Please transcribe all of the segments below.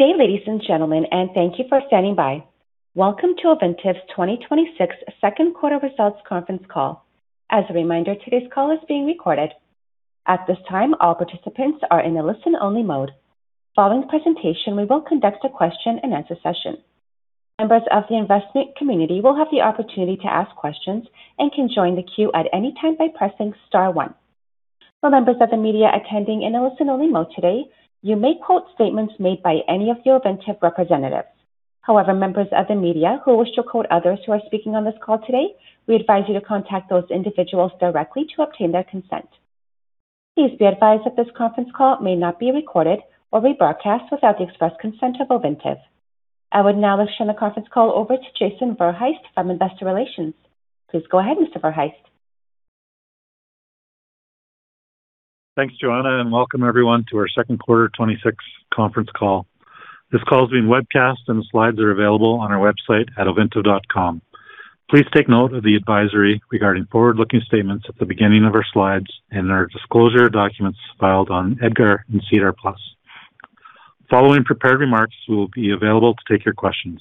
Good day, ladies and gentlemen. Thank you for standing by. Welcome to Ovintiv's 2026 second quarter results conference call. As a reminder, today's call is being recorded. At this time, all participants are in a listen-only mode. Following the presentation, we will conduct a question-and-answer session. Members of the investment community will have the opportunity to ask questions and can join the queue at any time by pressing star one. For members of the media attending in a listen-only mode today, you may quote statements made by any of the Ovintiv representatives. Members of the media who wish to quote others who are speaking on this call today, we advise you to contact those individuals directly to obtain their consent. Please be advised that this conference call may not be recorded or rebroadcast without the express consent of Ovintiv. I would now like to turn the conference call over to Jason Verhaest from investor relations. Please go ahead, Mr. Verhaest. Thanks, Joanna. Welcome everyone to our second quarter 2026 conference call. This call is being webcast. The slides are available on our website at ovintiv.com. Please take note of the advisory regarding forward-looking statements at the beginning of our slides and our disclosure of documents filed on EDGAR and SEDAR+. Following prepared remarks, we will be available to take your questions.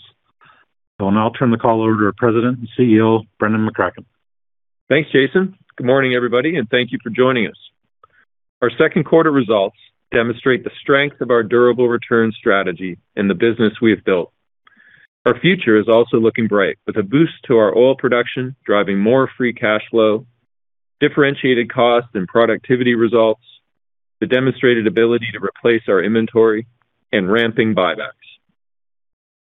I will now turn the call over to President and CEO Brendan McCracken. Thanks, Jason. Good morning, everybody. Thank you for joining us. Our second quarter results demonstrate the strength of our durable return strategy in the business we have built. Our future is also looking bright, with a boost to our oil production driving more free cash flow, differentiated costs and productivity results, the demonstrated ability to replace our inventory, and ramping buybacks.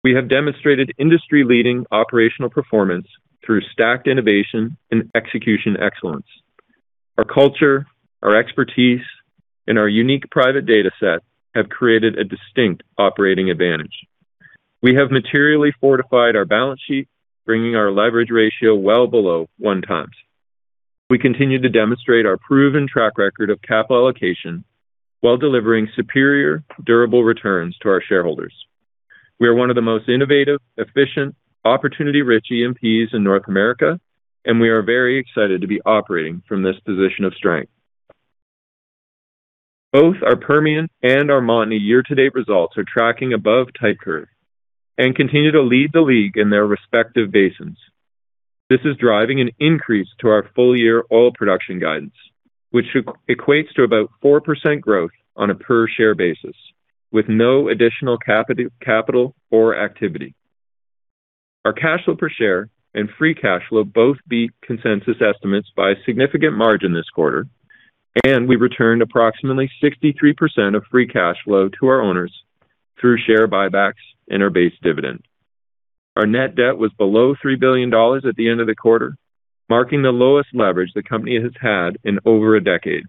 We have demonstrated industry-leading operational performance through stacked innovation and execution excellence. Our culture, our expertise, and our unique private data set have created a distinct operating advantage. We have materially fortified our balance sheet, bringing our leverage ratio well below 1x. We continue to demonstrate our proven track record of capital allocation while delivering superior durable returns to our shareholders. We are one of the most innovative, efficient, opportunity-rich E&Ps in North America. We are very excited to be operating from this position of strength. Both our Permian and our Montney year-to-date results are tracking above type curve and continue to lead the league in their respective basins. This is driving an increase to our full-year oil production guidance, which equates to about 4% growth on a per-share basis, with no additional capital or activity. Our cash flow per share and free cash flow both beat consensus estimates by a significant margin this quarter, and we returned approximately 63% of free cash flow to our owners through share buybacks and our base dividend. Our net debt was below $3 billion at the end of the quarter, marking the lowest leverage the company has had in over a decade.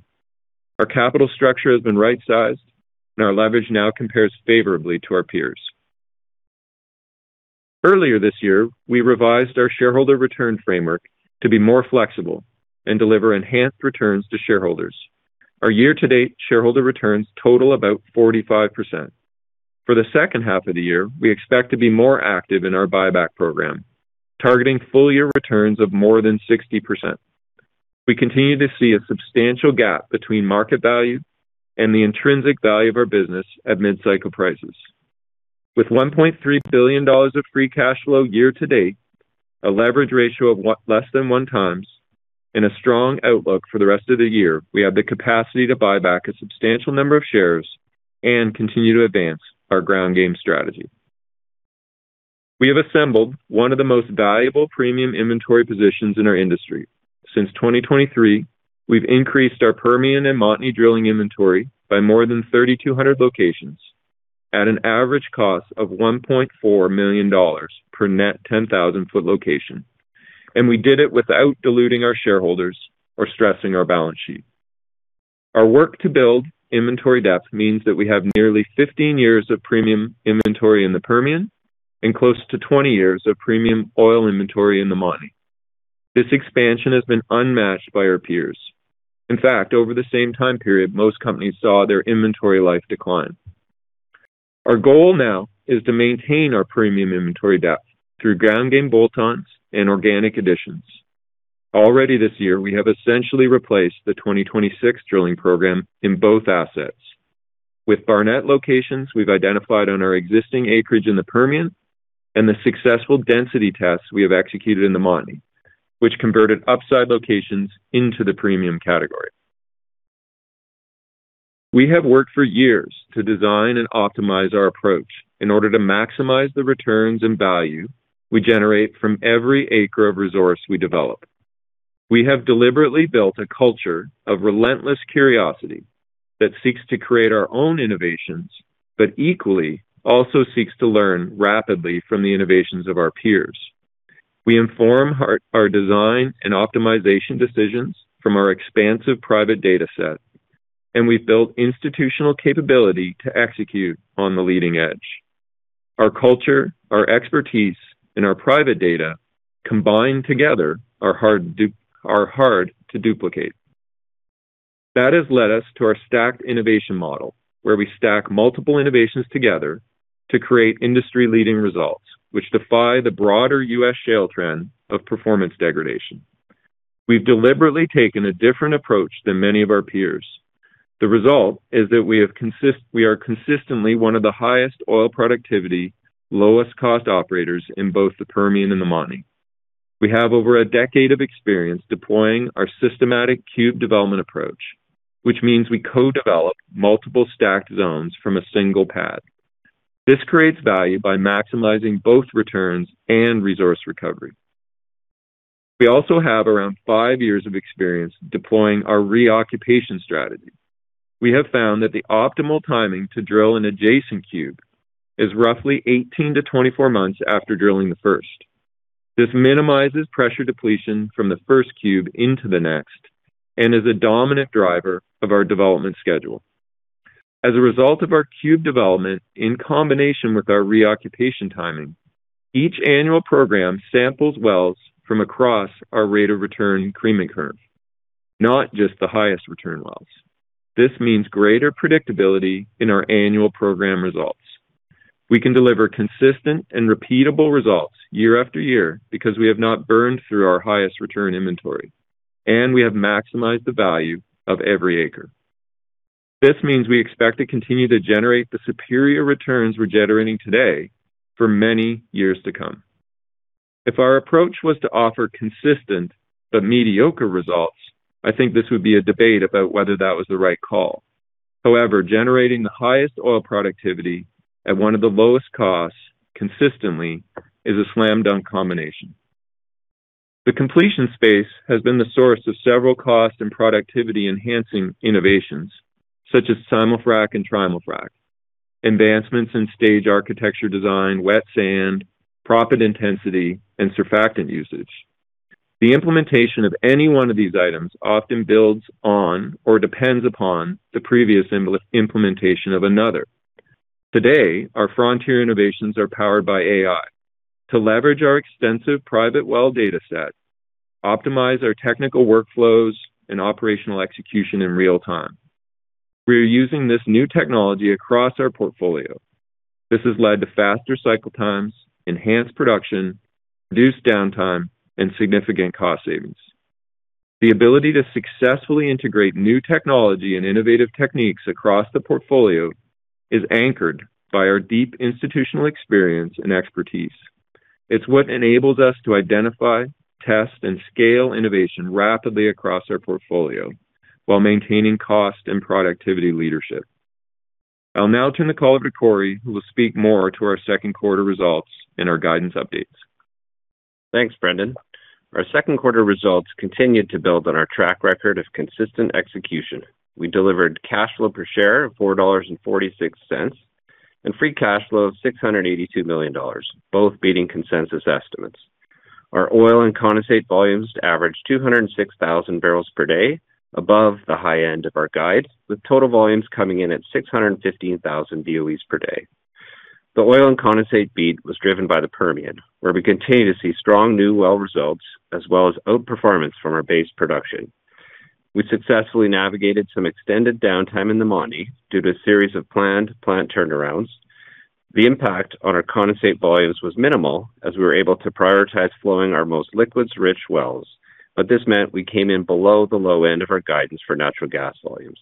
Our capital structure has been right-sized, and our leverage now compares favorably to our peers. Earlier this year, we revised our shareholder return framework to be more flexible and deliver enhanced returns to shareholders. Our year-to-date shareholder returns total about 45%. For the second half of the year, we expect to be more active in our buyback program, targeting full-year returns of more than 60%. We continue to see a substantial gap between market value and the intrinsic value of our business at mid-cycle prices. With $1.3 billion of free cash flow year-to-date, a leverage ratio of less than 1x, and a strong outlook for the rest of the year, we have the capacity to buy back a substantial number of shares and continue to advance our ground game strategy. We have assembled one of the most valuable premium inventory positions in our industry. Since 2023, we've increased our Permian and Montney drilling inventory by more than 3,200 locations at an average cost of $1.4 million per net 10,000 ft location. We did it without diluting our shareholders or stressing our balance sheet. Our work to build inventory depth means that we have nearly 15 years of premium inventory in the Permian and close to 20 years of premium oil inventory in the Montney. This expansion has been unmatched by our peers. In fact, over the same time period, most companies saw their inventory life decline. Our goal now is to maintain our premium inventory depth through ground game bolt-ons and organic additions. Already this year, we have essentially replaced the 2026 drilling program in both assets. With Barnett locations we've identified on our existing acreage in the Permian and the successful density tests we have executed in the Montney, which converted upside locations into the premium category. We have worked for years to design and optimize our approach in order to maximize the returns and value we generate from every acre of resource we develop. We have deliberately built a culture of relentless curiosity that seeks to create our own innovations. Equally also seeks to learn rapidly from the innovations of our peers. We inform our design and optimization decisions from our expansive private data set. We've built institutional capability to execute on the leading edge. Our culture, our expertise, and our private data combined together are hard to duplicate. That has led us to our stacked innovation model, where we stack multiple innovations together to create industry-leading results, which defy the broader U.S. shale trend of performance degradation. We've deliberately taken a different approach than many of our peers. The result is that we are consistently one of the highest oil productivity, lowest cost operators in both the Permian and the Montney. We have over a decade of experience deploying our systematic cube development approach, which means we co-develop multiple stacked zones from a single pad. This creates value by maximizing both returns and resource recovery. We also have around five years of experience deploying our reoccupation strategy. We have found that the optimal timing to drill an adjacent cube is roughly 18-24 months after drilling the first. This minimizes pressure depletion from the first cube into the next and is a dominant driver of our development schedule. As a result of our cube development in combination with our reoccupation timing, each annual program samples wells from across our rate of return creaming curve, not just the highest return wells. This means greater predictability in our annual program results. We can deliver consistent and repeatable results year-after-year because we have not burned through our highest return inventory, and we have maximized the value of every acre. This means we expect to continue to generate the superior returns we're generating today for many years to come. If our approach was to offer consistent but mediocre results, I think this would be a debate about whether that was the right call. Generating the highest oil productivity at one of the lowest costs consistently is a slam dunk combination. The completion space has been the source of several cost and productivity-enhancing innovations such as Simul-frac and Trimul-frac, advancements in stage architecture design, wet sand, proppant intensity, and surfactant usage. The implementation of any one of these items often builds on or depends upon the previous implementation of another. Today, our frontier innovations are powered by AI to leverage our extensive private well data set, optimize our technical workflows, and operational execution in real time. We are using this new technology across our portfolio. This has led to faster cycle times, enhanced production, reduced downtime, and significant cost savings. The ability to successfully integrate new technology and innovative techniques across the portfolio is anchored by our deep institutional experience and expertise. It's what enables us to identify, test, and scale innovation rapidly across our portfolio while maintaining cost and productivity leadership. I'll now turn the call over to Corey, who will speak more to our second quarter results and our guidance updates. Thanks, Brendan. Our second quarter results continued to build on our track record of consistent execution. We delivered cash flow per share of $4.46 and free cash flow of $682 million, both beating consensus estimates. Our oil and condensate volumes averaged 206,000 bpd above the high end of our guide, with total volumes coming in at 615,000 BOEs per day. The oil and condensate beat was driven by the Permian, where we continue to see strong new well results as well as outperformance from our base production. We successfully navigated some extended downtime in the Montney due to a series of planned plant turnarounds. The impact on our condensate volumes was minimal, as we were able to prioritize flowing our most liquids-rich wells. This meant we came in below the low end of our guidance for natural gas volumes.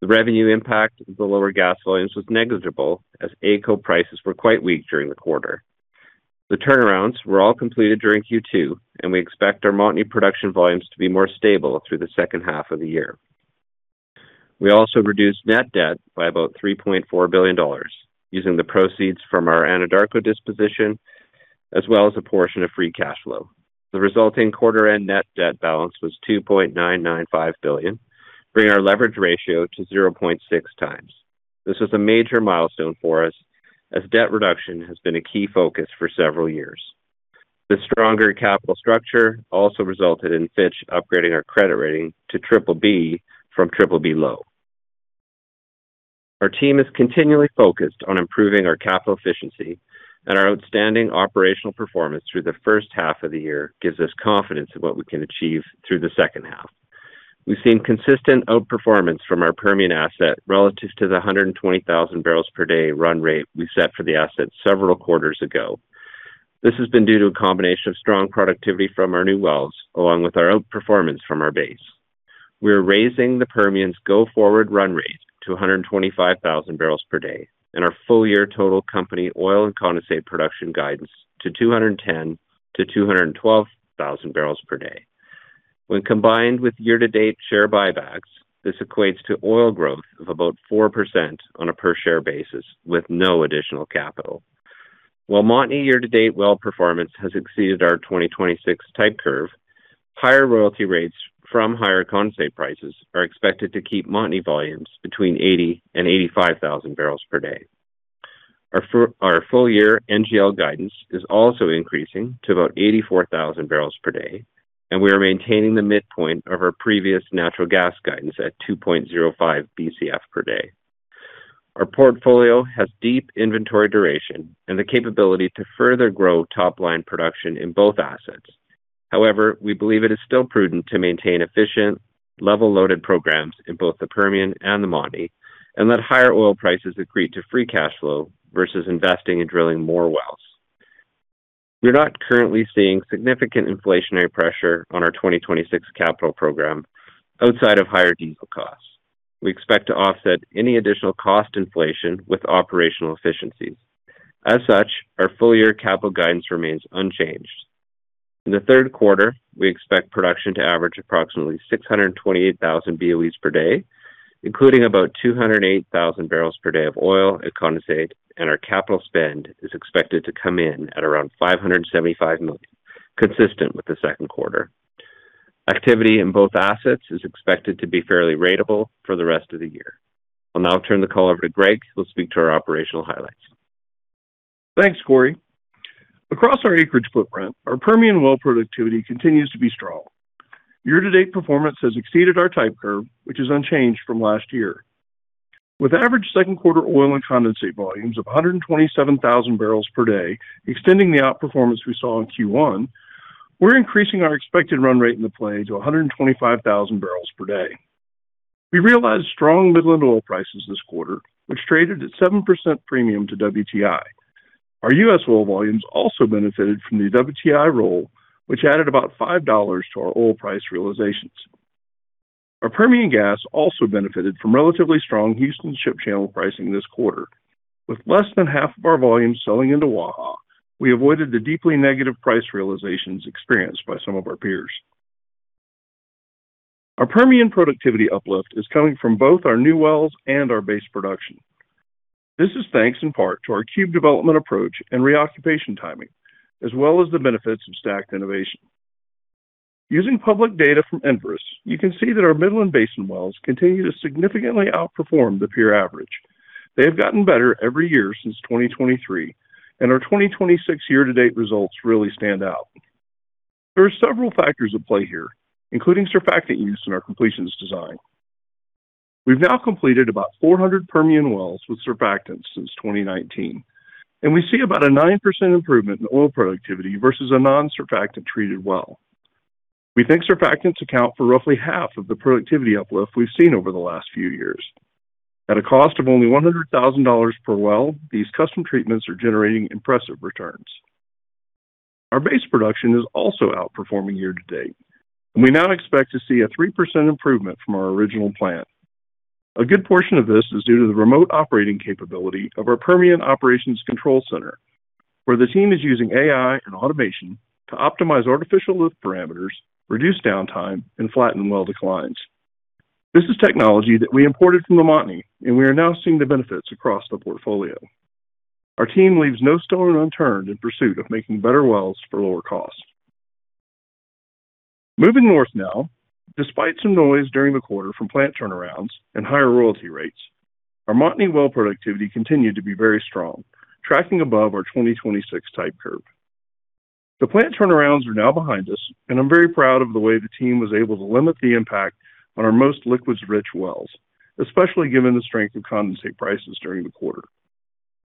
The revenue impact of the lower gas volumes was negligible, as AECO prices were quite weak during the quarter. The turnarounds were all completed during Q2, and we expect our Montney production volumes to be more stable through the second half of the year. We also reduced net debt by about $3.4 billion using the proceeds from our Anadarko disposition as well as a portion of free cash flow. The resulting quarter end net debt balance was $2.995 billion, bringing our leverage ratio to 0.6x. This is a major milestone for us as debt reduction has been a key focus for several years. The stronger capital structure also resulted in Fitch upgrading our credit rating to BBB from BBB low. Our team is continually focused on improving our capital efficiency and our outstanding operational performance through the first half of the year gives us confidence in what we can achieve through the second half. We've seen consistent outperformance from our Permian asset relative to the 120,000 bpd run rate we set for the asset several quarters ago. This has been due to a combination of strong productivity from our new wells, along with our outperformance from our base. We're raising the Permian's go-forward run rate to 125,000 bpd and our full-year total company oil and condensate production guidance to 210,000-212,000 bbl/d. When combined with year-to-date share buybacks, this equates to oil growth of about 4% on a per share basis with no additional capital. While Montney year-to-date well performance has exceeded our 2026 type curve, higher royalty rates from higher condensate prices are expected to keep Montney volumes between 80,000-85,000 bbl/d. Our full-year NGL guidance is also increasing to about 84,000 bbl/d, and we are maintaining the midpoint of our previous natural gas guidance at 2.05 Bcf/d. Our portfolio has deep inventory duration and the capability to further grow top-line production in both assets. We believe it is still prudent to maintain efficient level loaded programs in both the Permian and the Montney and let higher oil prices accrete to free cash flow versus investing in drilling more wells. We're not currently seeing significant inflationary pressure on our 2026 capital program outside of higher diesel costs. We expect to offset any additional cost inflation with operational efficiencies. Our full-year capital guidance remains unchanged. In the third quarter, we expect production to average approximately 628,000 BOEs/d, including about 208,000 bbl/d of oil and condensate, our capital spend is expected to come in at around $575 million, consistent with the second quarter. Activity in both assets is expected to be fairly ratable for the rest of the year. I'll now turn the call over to Greg, who'll speak to our operational highlights. Thanks, Corey. Across our acreage footprint, our Permian well productivity continues to be strong. Year-to-date performance has exceeded our type curve, which is unchanged from last year. With average second quarter oil and condensate volumes of 127,000 bbl/d extending the outperformance we saw in Q1, we're increasing our expected run rate in the play to 125,000 bbl/d. We realized strong Midland oil prices this quarter, which traded at 7% premium to WTI. Our U.S. oil volumes also benefited from the WTI roll, which added about $5 to our oil price realizations. Our Permian gas also benefited from relatively strong Houston Ship Channel pricing this quarter. With less than half of our volume selling into Waha, we avoided the deeply negative price realizations experienced by some of our peers. Our Permian productivity uplift is coming from both our new wells and our base production. This is thanks in part to our cube development approach and reoccupation timing, as well as the benefits of stacked innovation. Using public data from Enverus, you can see that our Midland Basin wells continue to significantly outperform the peer average. They have gotten better every year since 2023, and our 2026 year-to-date results really stand out. There are several factors at play here, including surfactant use in our completions design. We've now completed about 400 Permian wells with surfactants since 2019, and we see about a 9% improvement in oil productivity versus a non-surfactant treated well. We think surfactants account for roughly half of the productivity uplift we've seen over the last few years. At a cost of only $100,000 per well, these custom treatments are generating impressive returns. Our base production is also outperforming year-to-date, and we now expect to see a 3% improvement from our original plan. A good portion of this is due to the remote operating capability of our Permian Operations Control Center, where the team is using AI and automation to optimize artificial lift parameters, reduce downtime, and flatten well declines. This is technology that we imported from the Montney, and we are now seeing the benefits across the portfolio. Our team leaves no stone unturned in pursuit of making better wells for lower cost. Moving north now. Despite some noise during the quarter from plant turnarounds and higher royalty rates, our Montney well productivity continued to be very strong, tracking above our 2026 type curve. The plant turnarounds are now behind us. I'm very proud of the way the team was able to limit the impact on our most liquids-rich wells, especially given the strength of condensate prices during the quarter.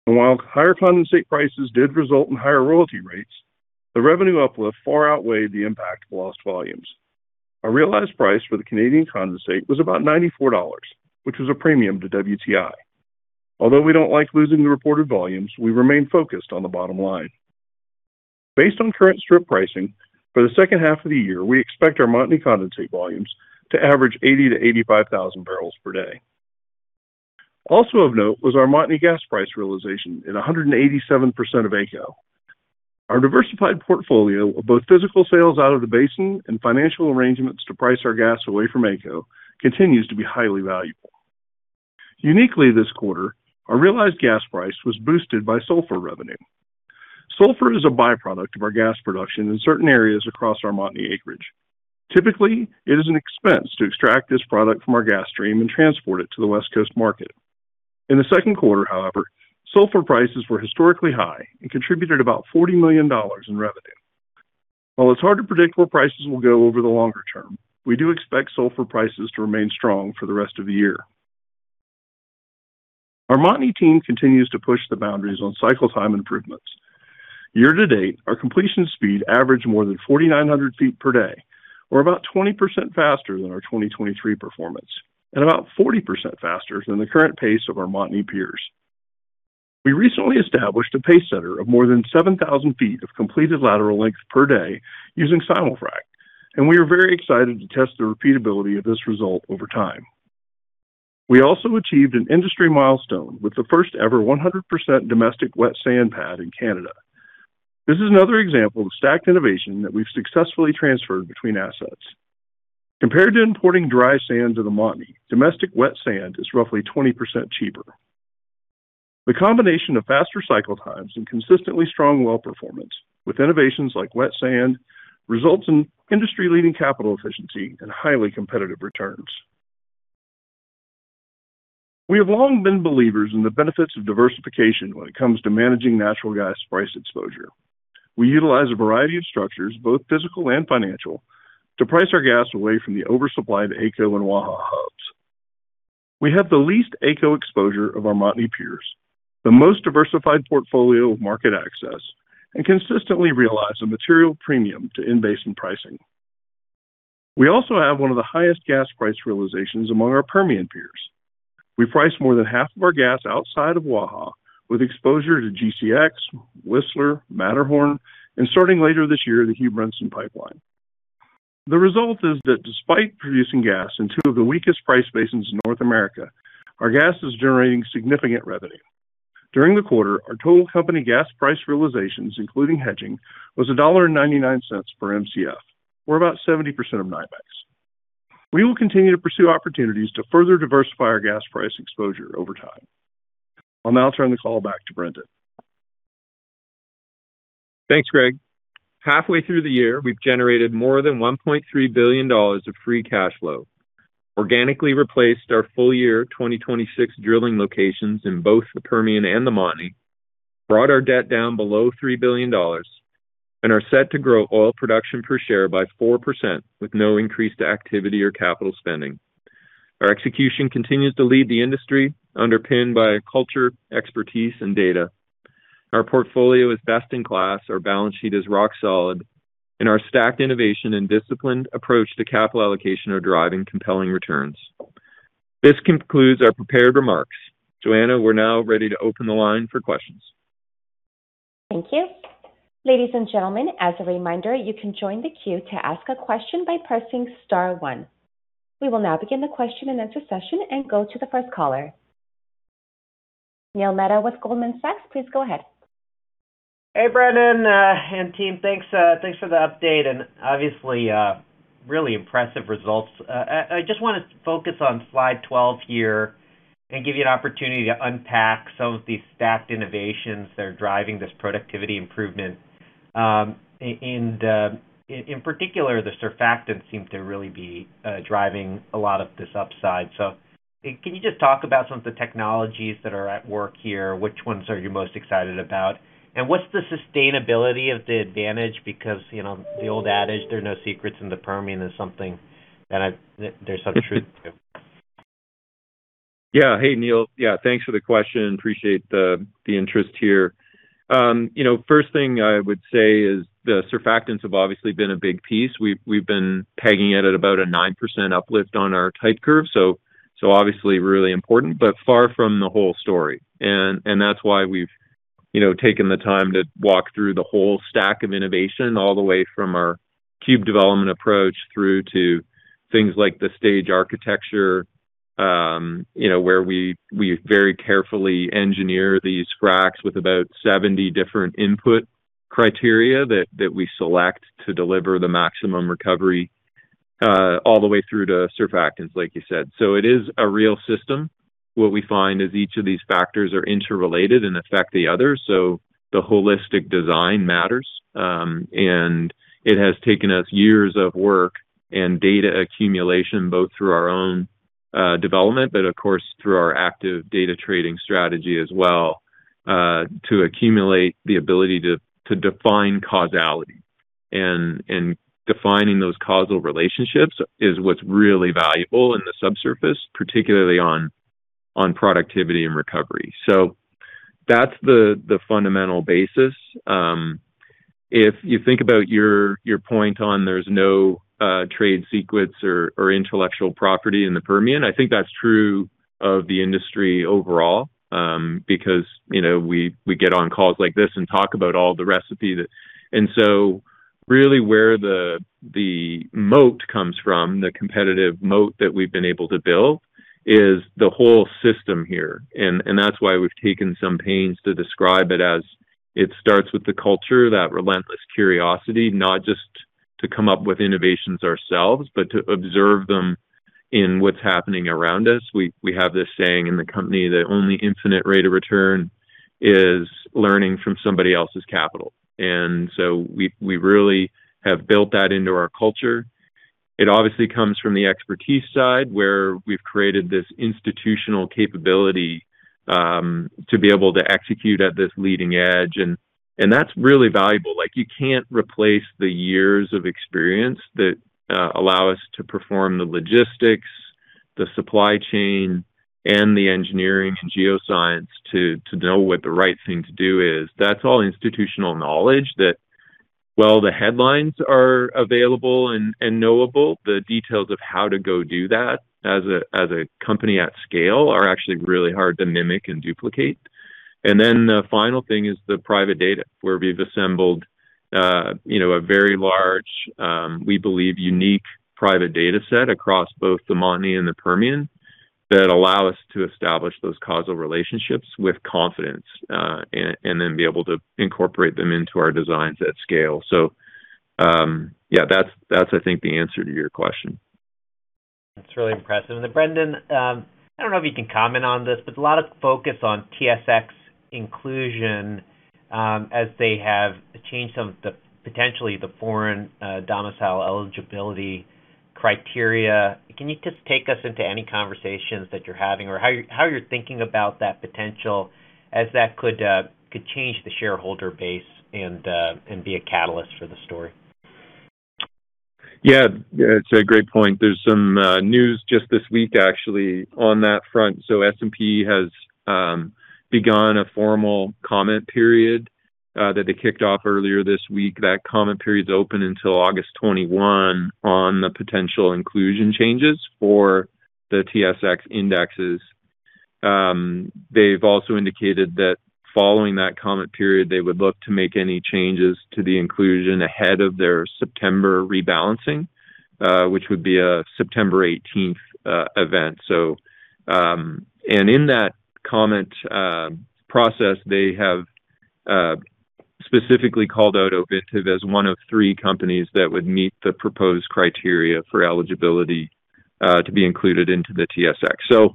While higher condensate prices did result in higher royalty rates, the revenue uplift far outweighed the impact of lost volumes. Our realized price for the Canadian condensate was about $94, which was a premium to WTI. Although we don't like losing the reported volumes, we remain focused on the bottom line. Based on current strip pricing, for the second half of the year, we expect our Montney condensate volumes to average 80,000-85,000 bbl/d. Also of note was our Montney gas price realization at 187% of AECO. Our diversified portfolio of both physical sales out of the basin and financial arrangements to price our gas away from AECO continues to be highly valuable. Uniquely this quarter, our realized gas price was boosted by sulfur revenue. Sulfur is a byproduct of our gas production in certain areas across our Montney acreage. Typically, it is an expense to extract this product from our gas stream and transport it to the West Coast market. In the second quarter, however, sulfur prices were historically high and contributed about $40 million in revenue. It's hard to predict where prices will go over the longer term, we do expect sulfur prices to remain strong for the rest of the year. Our Montney team continues to push the boundaries on cycle time improvements. Year-to-date, our completion speed averaged more than 4,900 ft per day, or about 20% faster than our 2023 performance, and about 40% faster than the current pace of our Montney peers. We recently established a pace setter of more than 7,000 ft of completed lateral length per day using Simul-frac. We are very excited to test the repeatability of this result over time. We also achieved an industry milestone with the first ever 100% domestic wet sand pad in Canada. This is another example of stacked innovation that we've successfully transferred between assets. Compared to importing dry sand to the Montney, domestic wet sand is roughly 20% cheaper. The combination of faster cycle times and consistently strong well performance with innovations like wet sand results in industry-leading capital efficiency and highly competitive returns. We have long been believers in the benefits of diversification when it comes to managing natural gas price exposure. We utilize a variety of structures, both physical and financial, to price our gas away from the oversupplied AECO and Waha hubs. We have the least AECO exposure of our Montney peers, the most diversified portfolio of market access, and consistently realize a material premium to in-basin pricing. We also have one of the highest gas price realizations among our Permian peers. We price more than half of our gas outside of Waha, with exposure to GCX, Whistler, Matterhorn, and starting later this year, the Hugh Brinson Pipeline. The result is that despite producing gas in two of the weakest price basins in North America, our gas is generating significant revenue. During the quarter, our total company gas price realizations, including hedging, was $1.99 per Mcf. We're about 70% of NYMEX. We will continue to pursue opportunities to further diversify our gas price exposure over time. I'll now turn the call back to Brendan. Thanks, Greg. Halfway through the year, we've generated more than $1.3 billion of free cash flow, organically replaced our full year 2026 drilling locations in both the Permian and the Montney, brought our debt down below $3 billion, and are set to grow oil production per share by 4% with no increase to activity or capital spending. Our execution continues to lead the industry, underpinned by a culture, expertise, and data. Our portfolio is best in class, our balance sheet is rock solid, and our stacked innovation and disciplined approach to capital allocation are driving compelling returns. This concludes our prepared remarks. Joanna, we're now ready to open the line for questions. Thank you. Ladies and gentlemen, as a reminder, you can join the queue to ask a question by pressing star one. We will now begin the question-and-answer session and go to the first caller. Neil Mehta with Goldman Sachs, please go ahead. Hey, Brendan, and team. Thanks for the update, and obviously, really impressive results. I just want to focus on slide 12 here and give you an opportunity to unpack some of these stacked innovations that are driving this productivity improvement. In particular, the surfactants seem to really be driving a lot of this upside. Can you just talk about some of the technologies that are at work here? Which ones are you most excited about, and what's the sustainability of the advantage? Because the old adage, there are no secrets in the Permian, is something that there's some truth to. Hey, Neil. Thanks for the question. Appreciate the interest here. First thing I would say is the surfactants have obviously been a big piece. We've been pegging it at about a 9% uplift on our type curve, so obviously really important, but far from the whole story. That's why we've taken the time to walk through the whole stack of innovation, all the way from our cube development approach through to things like the stage architecture where we very carefully engineer these fracs with about 70 different input criteria that we select to deliver the maximum recovery all the way through to surfactants, like you said. It is a real system. What we find is each of these factors are interrelated and affect the others, so the holistic design matters. It has taken us years of work and data accumulation, both through our own development, but of course, through our active data trading strategy as well to accumulate the ability to define causality. Defining those causal relationships is what's really valuable in the subsurface, particularly on productivity and recovery. That's the fundamental basis. If you think about your point on there's no trade secrets or intellectual property in the Permian, I think that's true of the industry overall. Because we get on calls like this and talk about all the recipe that. Really where the moat comes from, the competitive moat that we've been able to build is the whole system here. That's why we've taken some pains to describe it as it starts with the culture, that relentless curiosity, not just to come up with innovations ourselves, but to observe them in what's happening around us. We have this saying in the company that only infinite rate of return is learning from somebody else's capital. We really have built that into our culture. It obviously comes from the expertise side, where we've created this institutional capability to be able to execute at this leading edge, and that's really valuable. You can't replace the years of experience that allow us to perform the logistics, the supply chain, and the engineering geoscience to know what the right thing to do is. That's all institutional knowledge that while the headlines are available and knowable, the details of how to go do that as a company at scale are actually really hard to mimic and duplicate. The final thing is the private data, where we've assembled a very large, we believe, unique private data set across both the Montney and the Permian that allow us to establish those causal relationships with confidence and then be able to incorporate them into our designs at scale. That's I think the answer to your question. That's really impressive. Brendan, I don't know if you can comment on this, but a lot of focus on TSX inclusion as they have changed some of the, potentially the foreign domicile eligibility criteria. Can you just take us into any conversations that you're having or how you're thinking about that potential as that could change the shareholder base and be a catalyst for the story? It's a great point. There's some news just this week actually on that front. S&P has begun a formal comment period That they kicked off earlier this week. That comment period's open until August 21 on the potential inclusion changes for the TSX indexes. They've also indicated that following that comment period, they would look to make any changes to the inclusion ahead of their September rebalancing, which would be a September 18th event. In that comment process, they have specifically called out Ovintiv as one of three companies that would meet the proposed criteria for eligibility to be included into the TSX.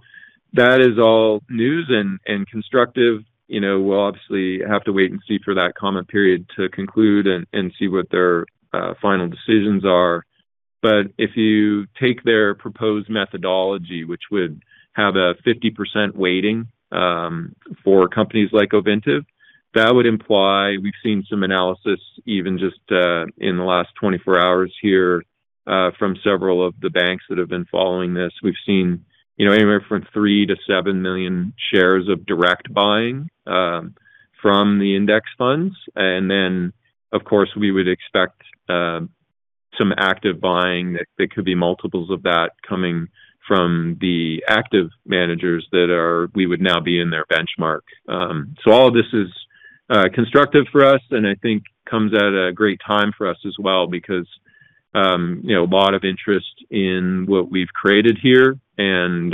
That is all news and constructive. We'll obviously have to wait and see for that comment period to conclude and see what their final decisions are. But if you take their proposed methodology, which would have a 50% weighting for companies like Ovintiv, that would imply we've seen some analysis even just in the last 24 hours here from several of the banks that have been following this. We've seen anywhere from 3 million-7 million shares of direct buying from the index funds. Then of course, we would expect some active buying that could be multiples of that coming from the active managers that we would now be in their benchmark. All of this is constructive for us and I think comes at a great time for us as well because a lot of interest in what we've created here and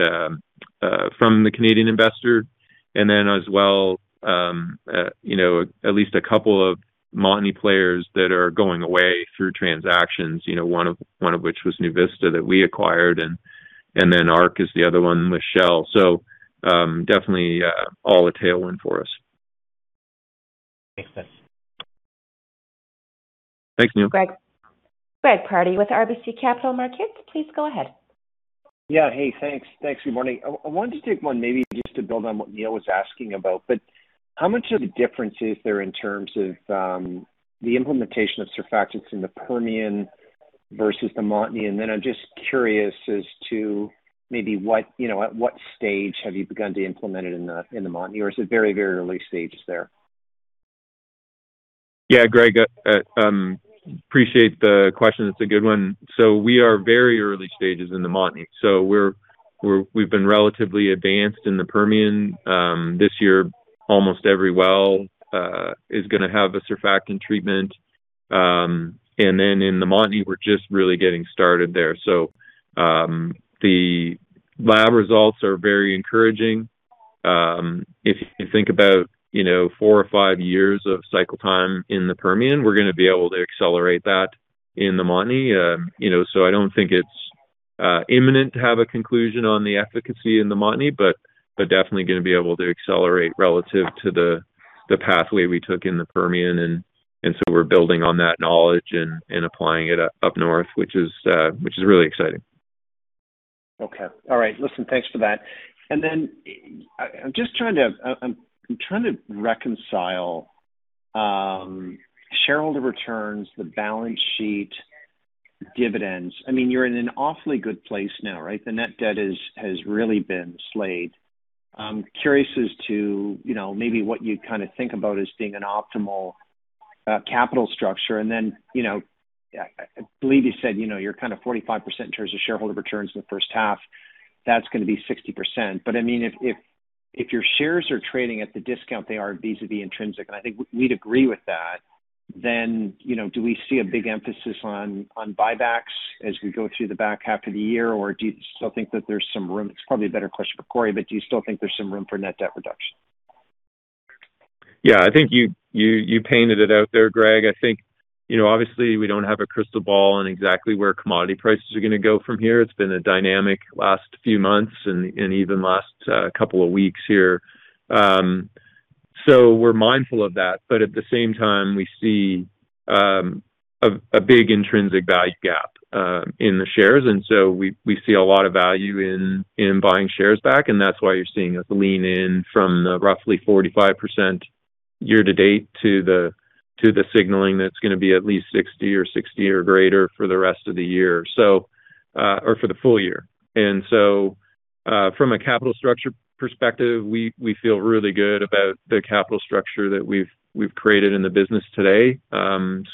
from the Canadian investor and then as well at least a couple of Montney players that are going away through transactions, one of which was NuVista that we acquired and then ARC is the other one with Shell. Definitely all a tailwind for us. Thanks. Thanks, Neil. Greg Pardy with RBC Capital Markets, please go ahead. Yeah. Hey, thanks. Good morning. I wanted to take one maybe just to build on what Neil was asking about, how much of a difference is there in terms of the implementation of surfactants in the Permian versus the Montney? I'm just curious as to maybe at what stage have you begun to implement it in the Montney? Or is it very early stages there? Greg, appreciate the question. It's a good one. We are very early stages in the Montney. We've been relatively advanced in the Permian. This year, almost every well is going to have a surfactant treatment. In the Montney, we're just really getting started there. The lab results are very encouraging. If you think about four or five years of cycle time in the Permian, we're going to be able to accelerate that in the Montney. I don't think it's imminent to have a conclusion on the efficacy in the Montney, but definitely going to be able to accelerate relative to the pathway we took in the Permian. We're building on that knowledge and applying it up north, which is really exciting. Listen, thanks for that. I'm trying to reconcile shareholder returns, the balance sheet, dividends. You're in an awfully good place now, right? The net debt has really been slayed. I'm curious as to maybe what you kind of think about as being an optimal capital structure, and then, I believe you said you're kind of 45% in terms of shareholder returns in the first half. That's going to be 60%. If your shares are trading at the discount they are vis-à-vis intrinsic, and I think we'd agree with that, then do we see a big emphasis on buybacks as we go through the back half of the year? Or it's probably a better question for Corey, but do you still think there's some room for net debt reduction? I think you painted it out there, Greg. I think, obviously, we don't have a crystal ball on exactly where commodity prices are going to go from here. It's been a dynamic last few months and even last couple of weeks here. We're mindful of that. At the same time, we see a big intrinsic value gap in the shares. We see a lot of value in buying shares back, and that's why you're seeing us lean in from the roughly 45% year-to-date to the signaling that's going to be at least 60% or greater for the rest of the year, or for the full year. From a capital structure perspective, we feel really good about the capital structure that we've created in the business today. Like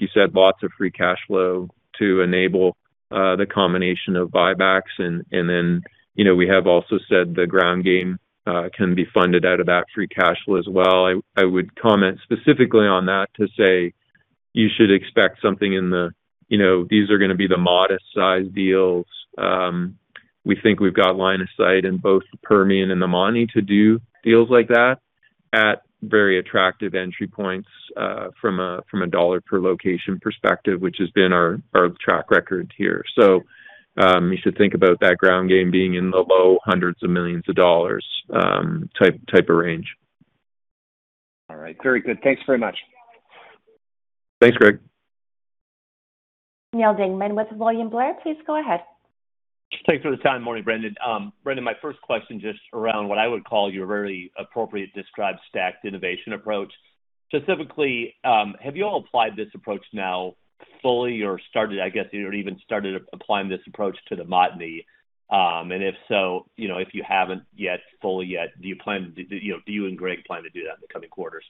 you said, lots of free cash flow to enable the combination of buybacks and then, we have also said the ground game can be funded out of that free cash flow as well. I would comment specifically on that to say you should expect something in the modest size deals. We think we've got line of sight in both the Permian and the Montney to do deals like that at very attractive entry points from $1 per location perspective, which has been our track record here. You should think about that ground game being in the low hundreds of millions of dollars type of range. All right. Very good. Thanks very much. Thanks, Greg. Neal Dingmann with William Blair, please go ahead. Thanks for the time. Morning, Brendan. Brendan, my first question, just around what I would call your very appropriately described stacked innovation approach. Specifically, have you all applied this approach now fully or started, I guess, or even started applying this approach to the Montney? If so, if you haven't yet fully yet, do you and Greg plan to do that in the coming quarters?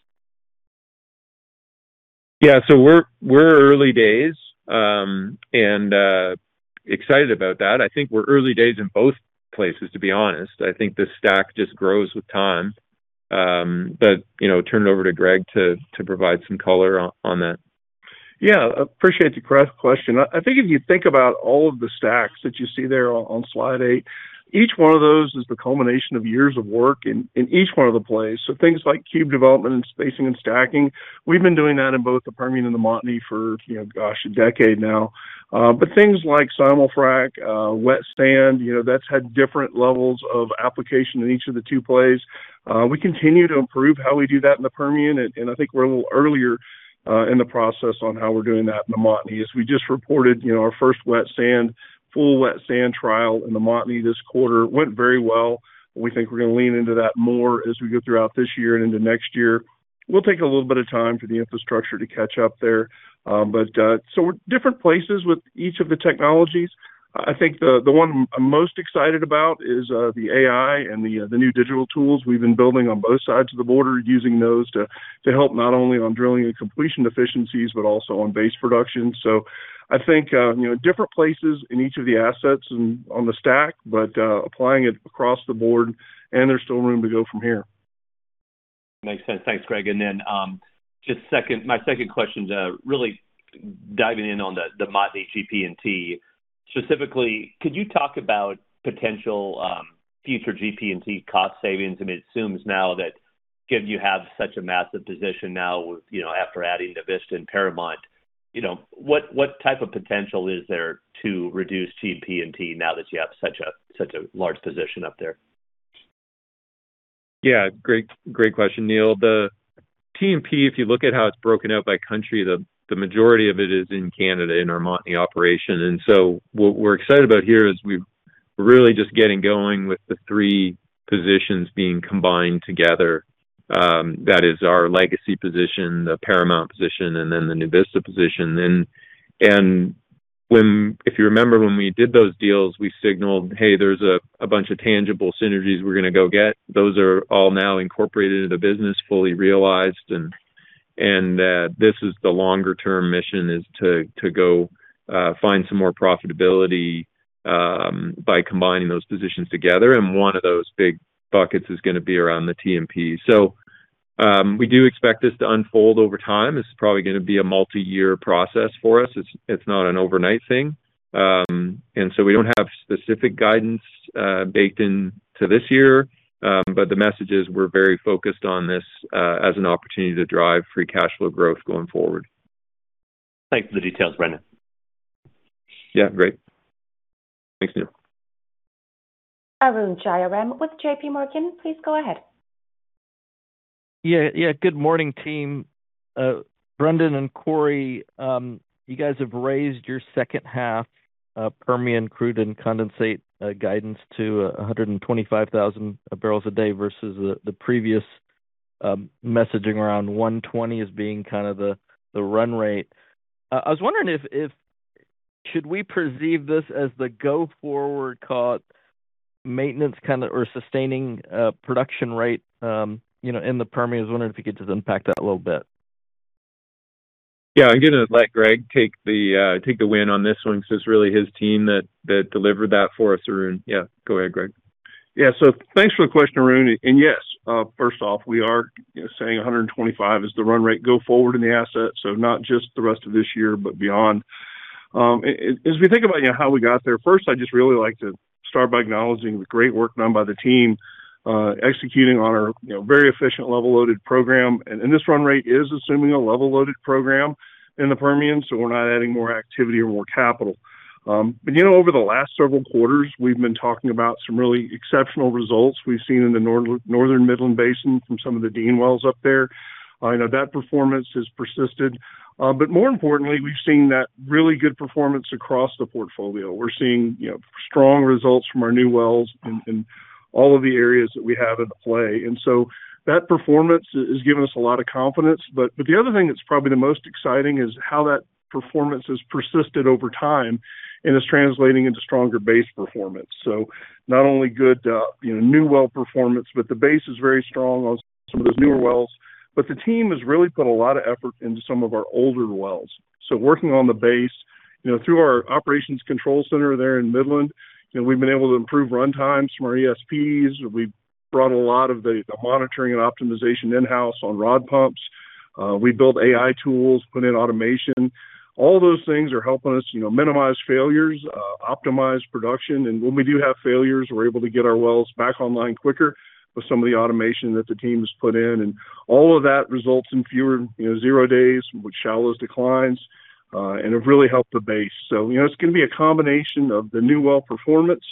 Yeah. We're early days, and excited about that. I think we're early days in both places, to be honest. I think this stack just grows with time. Turn it over to Greg to provide some color on that. Yeah. Appreciate the question. I think if you think about all of the stacks that you see there on slide eight, each one of those is the culmination of years of work in each one of the plays. Things like cube development and spacing and stacking, we've been doing that in both the Permian and the Montney for, gosh, a decade now. Things like Simul-frac, wet sand, that's had different levels of application in each of the two plays. We continue to improve how we do that in the Permian, and I think we're a little earlier, in the process on how we're doing that in the Montney. As we just reported our first full wet sand trial in the Montney this quarter. Went very well. We think we're going to lean into that more as we go throughout this year and into next year. We'll take a little bit of time for the infrastructure to catch up there. We're different places with each of the technologies. I think the one I'm most excited about is the AI and the new digital tools we've been building on both sides of the border, using those to help not only on drilling and completion efficiencies but also on base production. I think different places in each of the assets and on the stack, but applying it across the board and there's still room to go from here. Makes sense. Thanks, Greg. Just my second question, really diving in on the Montney GP&T. Specifically, could you talk about potential future GP&T cost savings? I mean, it assumes now that given you have such a massive position now after adding NuVista and Paramount, what type of potential is there to reduce GP&T now that you have such a large position up there? Great question, Neal. The T&P, if you look at how it's broken out by country, the majority of it is in Canada, in our Montney operation. What we're excited about here is we're really just getting going with the three positions being combined together. That is our legacy position, the Paramount position, and then the NuVista position. If you remember, when we did those deals, we signaled, hey, there's a bunch of tangible synergies we're going to go get. Those are all now incorporated into business, fully realized, and that this is the longer-term mission is to go find some more profitability by combining those positions together. One of those big buckets is going to be around the T&P. We do expect this to unfold over time. This is probably going to be a multi-year process for us. It's not an overnight thing. We don't have specific guidance baked into this year. The message is we're very focused on this as an opportunity to drive free cash flow growth going forward. Thanks for the details, Brendan. Yeah, great. Thanks, Neal. Arun Jayaram with JPMorgan, please go ahead. Good morning, team. Brendan and Corey, you guys have raised your second half Permian crude and condensate guidance to 125,000 bbl/d versus the previous messaging around 120 as being kind of the run rate. Should we perceive this as the go forward call maintenance kind of or sustaining production rate in the Permian? I was wondering if you could just unpack that a little bit. I'm going to let Greg take the win on this one because it's really his team that delivered that for us, Arun. Go ahead, Greg. Yeah. Thanks for the question, Arun. Yes, first off, we are saying 125 is the run rate go forward in the asset. Not just the rest of this year, but beyond. As we think about how we got there, first, I'd just really like to start by acknowledging the great work done by the team, executing on our very efficient level loaded program. This run rate is assuming a level loaded program in the Permian, so we're not adding more activity or more capital. Over the last several quarters, we've been talking about some really exceptional results we've seen in the Northern Midland Basin from some of the Dean wells up there. I know that performance has persisted. More importantly, we've seen that really good performance across the portfolio. We're seeing strong results from our new wells in all of the areas that we have in play. That performance has given us a lot of confidence. The other thing that's probably the most exciting is how that performance has persisted over time and is translating into stronger base performance. Not only good new well performance, but the base is very strong on some of those newer wells. The team has really put a lot of effort into some of our older wells. Working on the base, through our operations control center there in Midland, we've been able to improve run times from our ESPs. We've brought a lot of the monitoring and optimization in-house on rod pumps. We built AI tools, put in automation. All those things are helping us minimize failures, optimize production. When we do have failures, we're able to get our wells back online quicker with some of the automation that the team's put in. All of that results in fewer zero days, which shallows declines. It really helped the base. It's going to be a combination of the new well performance,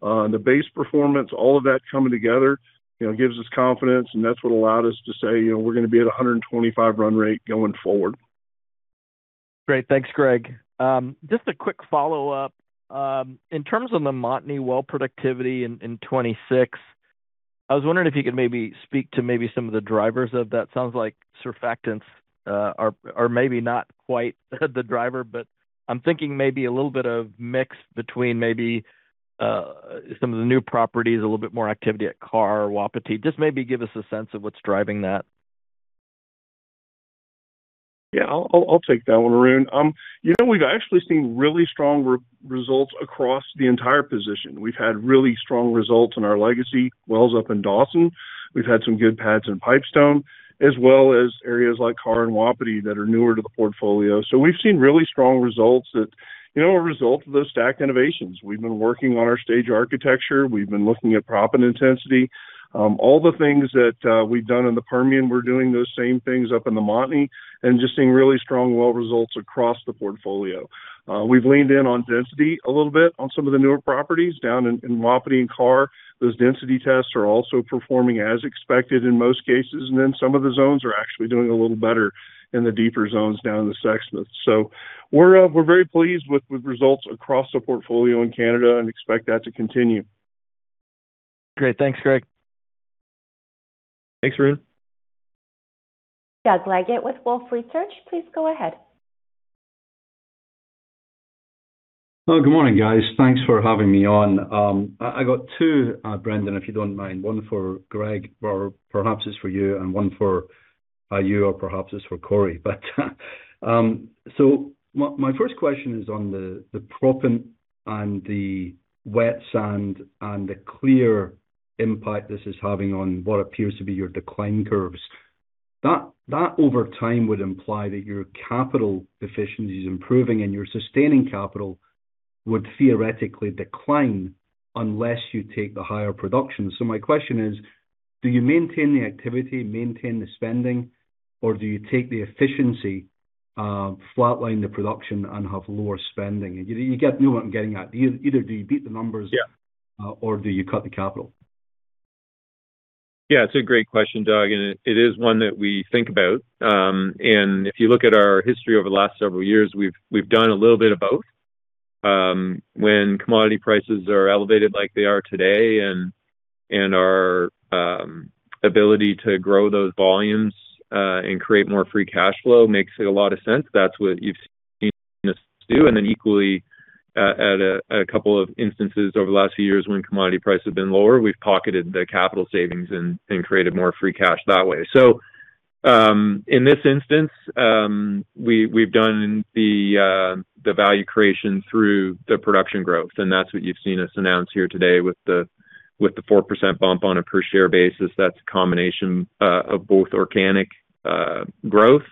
the base performance, all of that coming together gives us confidence and that's what allowed us to say we're going to be at 125 run rate going forward. Great. Thanks, Greg. Just a quick follow-up. In terms of the Montney well productivity in 2026, I was wondering if you could maybe speak to maybe some of the drivers of that. Sounds like surfactants are maybe not quite the driver, but I'm thinking maybe a little bit of mix between maybe some of the new properties, a little bit more activity at Karr, Wapiti. Just maybe give us a sense of what's driving that. Yeah. I'll take that one, Arun. We've actually seen really strong results across the entire position. We've had really strong results in our legacy wells up in Dawson. We've had some good pads in Pipestone, as well as areas like Karr and Wapiti that are newer to the portfolio. We've seen really strong results that are a result of those stacked innovations. We've been working on our stage architecture. We've been looking at proppant intensity. All the things that we've done in the Permian, we're doing those same things up in the Montney and just seeing really strong well results across the portfolio. We've leaned in on density a little bit on some of the newer properties down in Wapiti and Karr. Those density tests are also performing as expected in most cases, and then some of the zones are actually doing a little better in the deeper zones down in the Sexsmith. We're very pleased with results across the portfolio in Canada and expect that to continue. Great. Thanks, Greg. Thanks, Arun. Doug Leggate with Wolfe Research. Please go ahead. Good morning, guys. Thanks for having me on. I got two, Brendan, if you don't mind. One for Greg, or perhaps it's for you, and one for you, or perhaps it's for Corey. My first question is on the proppant and the wet sand and the clear impact this is having on what appears to be your decline curves. That over time would imply that your capital efficiency is improving and your sustaining capital would theoretically decline unless you take the higher production. My question is, do you maintain the activity, maintain the spending, or do you take the efficiency, flatline the production, and have lower spending? You get what I'm getting at. Either do you beat the numbers- Yeah. ...or do you cut the capital? Yeah, it's a great question, Doug, and it is one that we think about. If you look at our history over the last several years, we've done a little bit of both. When commodity prices are elevated like they are today and our ability to grow those volumes, and create more free cash flow makes a lot of sense. That's what you've seen us do, and then equally, at a couple of instances over the last few years when commodity prices have been lower, we've pocketed the capital savings and created more free cash that way. In this instance, we've done the value creation through the production growth, and that's what you've seen us announce here today with the 4% bump on a per share basis. That's a combination of both organic growth,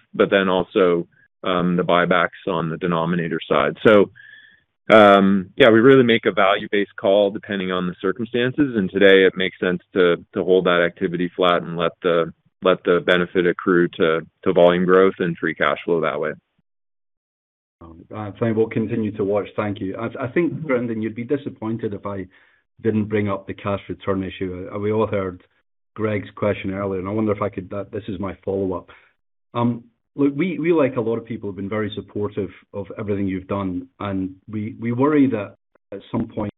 also, the buybacks on the denominator side. Yeah, we really make a value-based call depending on the circumstances, and today it makes sense to hold that activity flat and let the benefit accrue to volume growth and free cash flow that way. Fine. We'll continue to watch. Thank you. I think, Brendan, you'd be disappointed if I didn't bring up the cash return issue. We all heard Greg's question earlier. This is my follow-up. Look, we, like a lot of people, have been very supportive of everything you've done, and we worry that at some point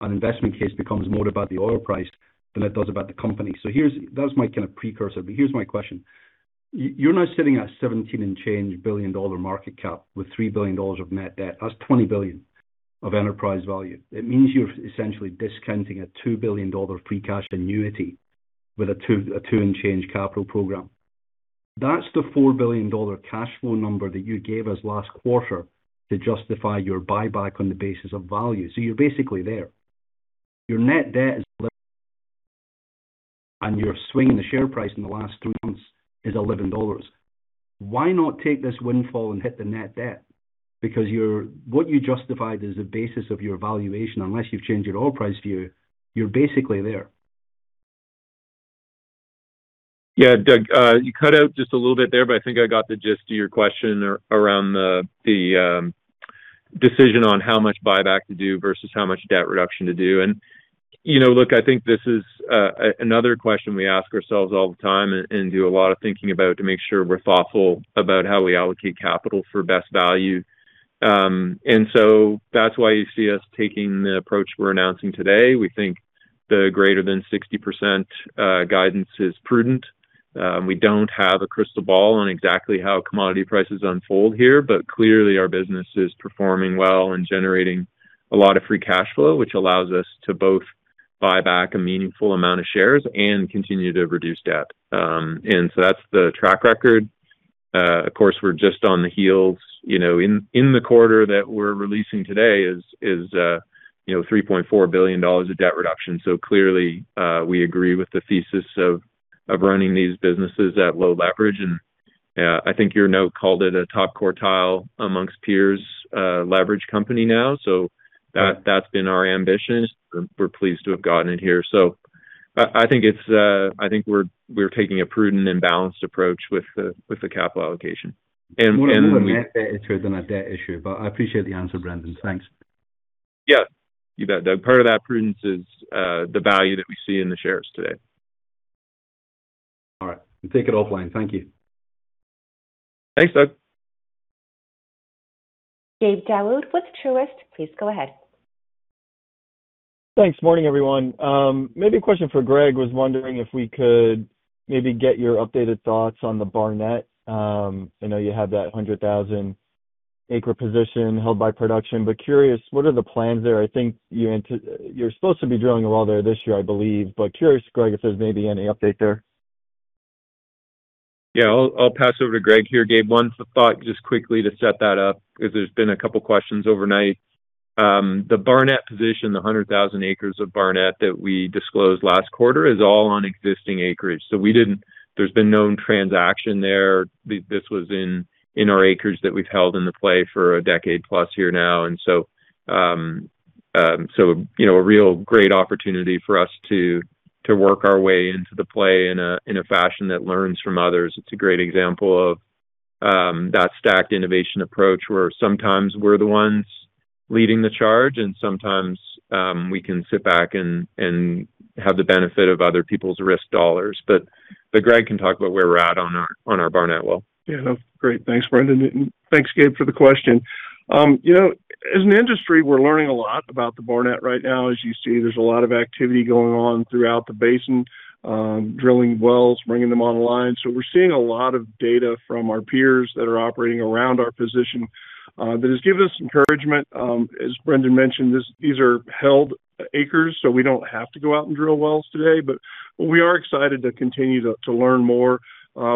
an investment case becomes more about the oil price than it does about the company. That was my kind of precursor, but here's my question. You're now sitting at $17 and change $1 billion market cap with $3 billion of net debt. That's $20 billion of enterprise value. It means you're essentially discounting a $2 billion free cash annuity with a $2 and change capital program. That's the $4 billion cash flow number that you gave us last quarter to justify your buyback on the basis of value. You're basically there. And your swing in the share price in the last two months is $11. Why not take this windfall and hit the net debt? What you justified is the basis of your valuation. Unless you've changed your oil price view, you're basically there. Yeah. Doug, you cut out just a little bit there, but I think I got the gist of your question around the decision on how much buyback to do versus how much debt reduction to do. Look, I think this is another question we ask ourselves all the time and do a lot of thinking about to make sure we're thoughtful about how we allocate capital for best value. That's why you see us taking the approach we're announcing today. We think the greater than 60% guidance is prudent. We don't have a crystal ball on exactly how commodity prices unfold here, but clearly our business is performing well and generating a lot of free cash flow, which allows us to both buy back a meaningful amount of shares and continue to reduce debt. That's the track record. Of course, we're just on the heels, in the quarter that we're releasing today is $3.4 billion of debt reduction. Clearly, we agree with the thesis of running these businesses at low leverage. I think your note called it a top quartile amongst peers leverage company now. That's been our ambition. We're pleased to have gotten it here. I think we're taking a prudent and balanced approach with the capital allocation. More a net debt issue than a debt issue, but I appreciate the answer, Brendan. Thanks. Yeah. You bet, Doug. Part of that prudence is the value that we see in the shares today. All right. We'll take it offline. Thank you. Thanks, Doug. Gabe Daoud with Truist, please go ahead. Thanks. Morning, everyone. Maybe a question for Greg. Was wondering if we could maybe get your updated thoughts on the Barnett. I know you have that 100,000 acre position held by production, but curious, what are the plans there? I think you're supposed to be drilling a well there this year, I believe, but curious, Greg, if there's maybe any update there. Yeah. I'll pass over to Greg here, Gabe. One thought, just quickly to set that up, because there's been a couple of questions overnight. The Barnett position, the 100,000 acres of Barnett that we disclosed last quarter is all on existing acreage. There's been no transaction there. This was in our acres that we've held in the play for a decade plus here now. A real great opportunity for us to work our way into the play in a fashion that learns from others. It's a great example of that stacked innovation approach, where sometimes we're the ones leading the charge, and sometimes we can sit back and have the benefit of other people's risk $1. Greg can talk about where we're at on our Barnett well. Great. Thanks, Brendan. Thanks, Gabe, for the question. As an industry, we're learning a lot about the Barnett right now. As you see, there's a lot of activity going on throughout the basin, drilling wells, bringing them online. We're seeing a lot of data from our peers that are operating around our position that has given us encouragement. As Brendan mentioned, these are held acres, so we don't have to go out and drill wells today, but we are excited to continue to learn more.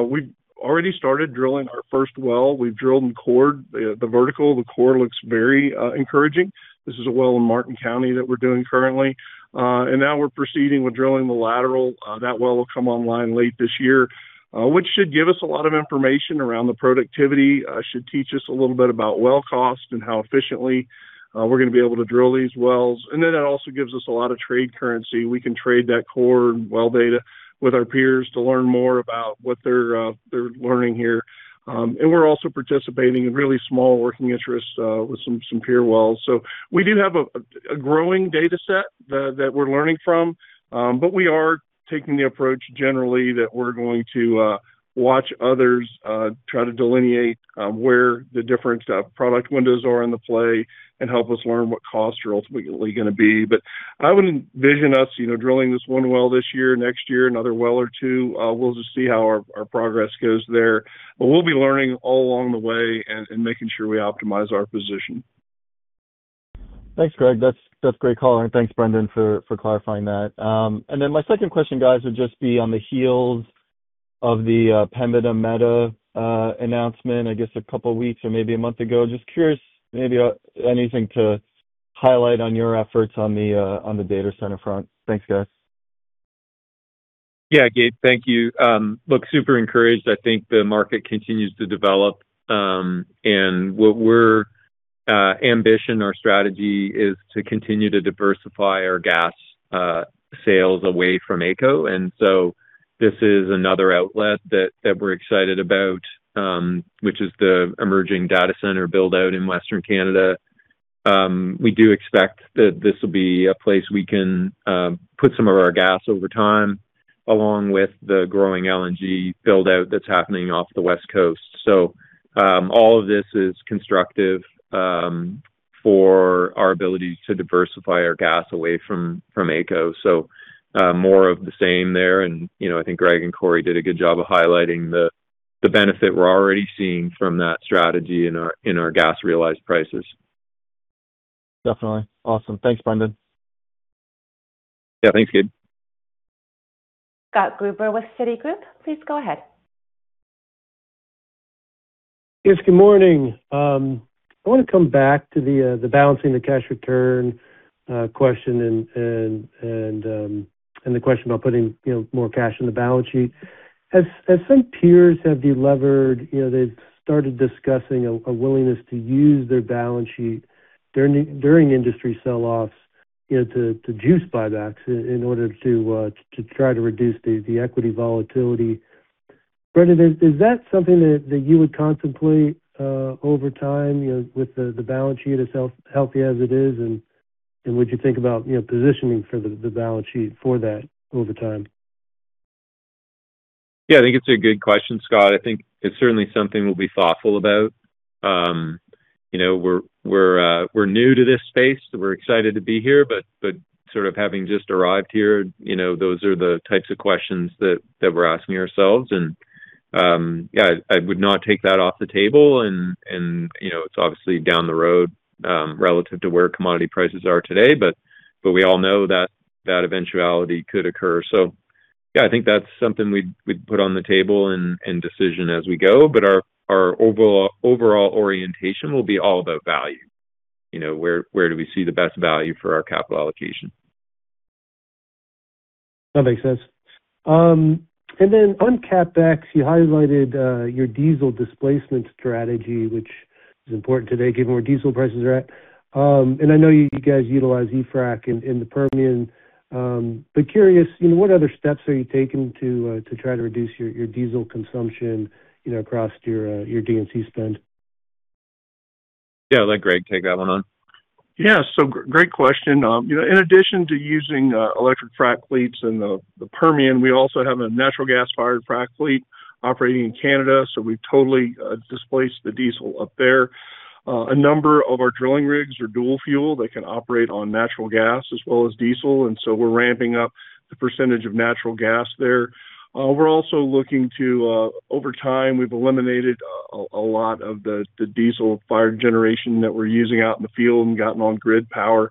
We've already started drilling our first well. We've drilled and cored the vertical. The core looks very encouraging. This is a well in Martin County that we're doing currently. Now we're proceeding with drilling the lateral. That well will come online late this year, which should give us a lot of information around the productivity, should teach us a little bit about well cost and how efficiently we're going to be able to drill these wells. That also gives us a lot of trade currency. We can trade that core well data with our peers to learn more about what they're learning here. We're also participating in really small working interests with some peer wells. We do have a growing data set that we're learning from. We are taking the approach generally that we're going to watch others try to delineate where the different product windows are in the play and help us learn what costs are ultimately going to be. I would envision us drilling this one well this year, next year, another well or two. We'll just see how our progress goes there. We'll be learning all along the way and making sure we optimize our position. Thanks, Greg. That's great color, and thanks, Brendan, for clarifying that. My second question, guys, would just be on the heels of the Pembina-Meta announcement, I guess a couple of weeks or maybe a month ago, just curious, maybe anything to highlight on your efforts on the data center front. Thanks, guys. Gabe. Thank you. Look, super encouraged. I think the market continues to develop. Our strategy is to continue to diversify our gas sales away from AECO. This is another outlet that we're excited about, which is the emerging data center build-out in Western Canada. We do expect that this will be a place we can put some of our gas over time, along with the growing LNG build-out that's happening off the West Coast. All of this is constructive for our ability to diversify our gas away from AECO. More of the same there, and I think Greg and Corey did a good job of highlighting the benefit we're already seeing from that strategy in our gas realized prices. Definitely. Awesome. Thanks, Brendan. Yeah. Thanks, Gabe. Scott Gruber with Citigroup. Please go ahead. Yes, good morning. I want to come back to the balancing the cash return question and the question about putting more cash on the balance sheet. As some peers have de-levered, they've started discussing a willingness to use their balance sheet during industry sell-offs to juice buybacks in order to try to reduce the equity volatility. Brendan, is that something that you would contemplate over time with the balance sheet as healthy as it is, and would you think about positioning for the balance sheet for that over time? Yeah, I think it's a good question, Scott. I think it's certainly something we'll be thoughtful about. We're new to this space, so we're excited to be here, but sort of having just arrived here, those are the types of questions that we're asking ourselves. Yeah, I would not take that off the table. It's obviously down the road, relative to where commodity prices are today, we all know that that eventuality could occur. Yeah, I think that's something we'd put on the table and decision as we go. Our overall orientation will be all about value. Where do we see the best value for our capital allocation? That makes sense. Then on CapEx, you highlighted your diesel displacement strategy, which is important today, given where diesel prices are at. I know you guys utilize e-frac in the Permian. Curious, what other steps are you taking to try to reduce your diesel consumption across your D&C spend? Yeah, I'll let Greg take that one on. Yeah, great question. In addition to using electric frac fleets in the Permian, we also have a natural gas-fired frac fleet operating in Canada, so we've totally displaced the diesel up there. A number of our drilling rigs are dual fuel. They can operate on natural gas as well as diesel, and so we're ramping up the percentage of natural gas there. We're also looking to, over time, we've eliminated a lot of the diesel-fired generation that we're using out in the field and gotten on grid power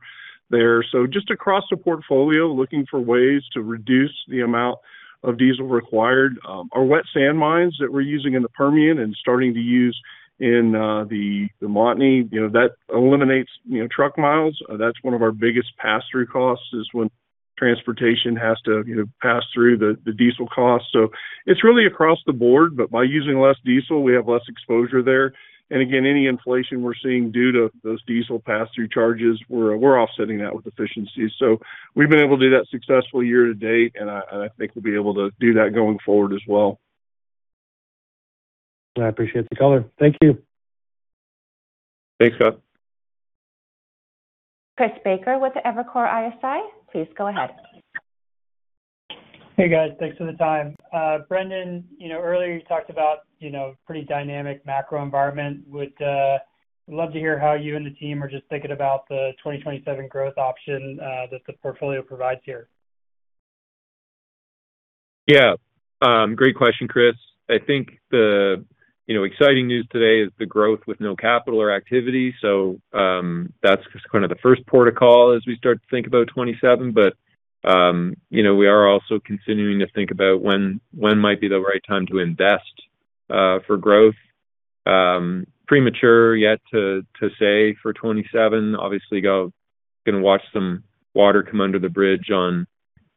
there. Just across the portfolio, looking for ways to reduce the amount of diesel required. Our wet sand mines that we're using in the Permian and starting to use in the Montney, that eliminates truck miles. That's one of our biggest pass-through costs, is when transportation has to pass through the diesel cost. It's really across the board, but by using less diesel, we have less exposure there. Again, any inflation we're seeing due to those diesel pass-through charges, we're offsetting that with efficiencies. We've been able to do that successfully year-to-date, and I think we'll be able to do that going forward as well. I appreciate the color. Thank you. Thanks, Scott. Chris Baker with Evercore ISI, please go ahead. Hey, guys. Thanks for the time. Brendan, earlier you talked about pretty dynamic macro environment. Would love to hear how you and the team are just thinking about the 2027 growth option that the portfolio provides here. Yeah. Great question, Chris. I think the exciting news today is the growth with no capital or activity. That's kind of the first port of call as we start to think about 2027. We are also continuing to think about when might be the right time to invest for growth. Premature yet to say for 2027. Obviously, going to watch some water come under the bridge on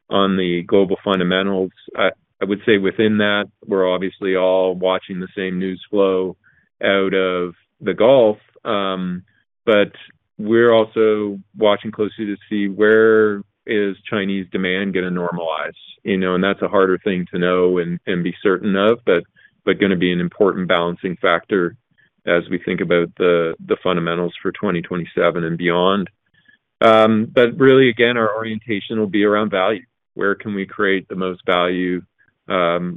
the global fundamentals. I would say within that, we're obviously all watching the same news flow out of the Gulf. We're also watching closely to see where is Chinese demand going to normalize. That's a harder thing to know and be certain of, but going to be an important balancing factor as we think about the fundamentals for 2027 and beyond. Really, again, our orientation will be around value. Where can we create the most value and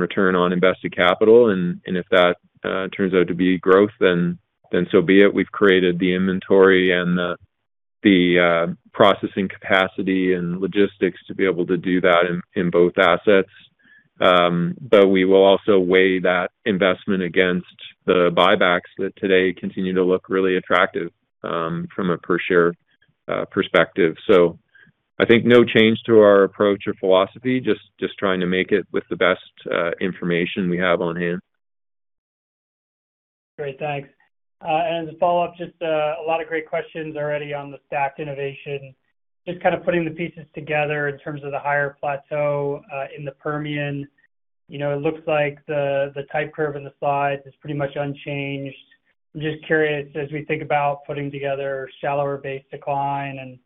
return on invested capital? If that turns out to be growth, then so be it. We've created the inventory and the processing capacity and logistics to be able to do that in both assets. We will also weigh that investment against the buybacks that today continue to look really attractive from a per share perspective. I think no change to our approach or philosophy, just trying to make it with the best information we have on hand. Great, thanks. As a follow-up, just a lot of great questions already on the stacked innovation. Putting the pieces together in terms of the higher plateau in the Permian. It looks like the type curve in the slide is pretty much unchanged. I'm just curious, as we think about putting together shallower base decline and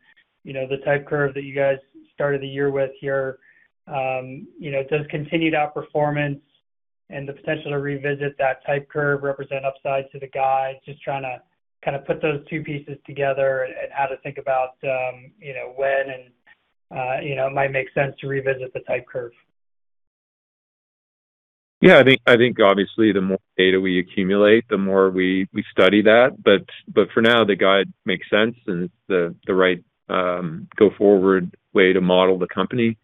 the type curve that you guys started the year with here. Does continued outperformance and the potential to revisit that type curve represent upside to the guide? Trying to put those two pieces together and how to think about when it might make sense to revisit the type curve. Yeah, I think obviously the more data we accumulate, the more we study that. For now, the guide makes sense, and it's the right go-forward way to model the company.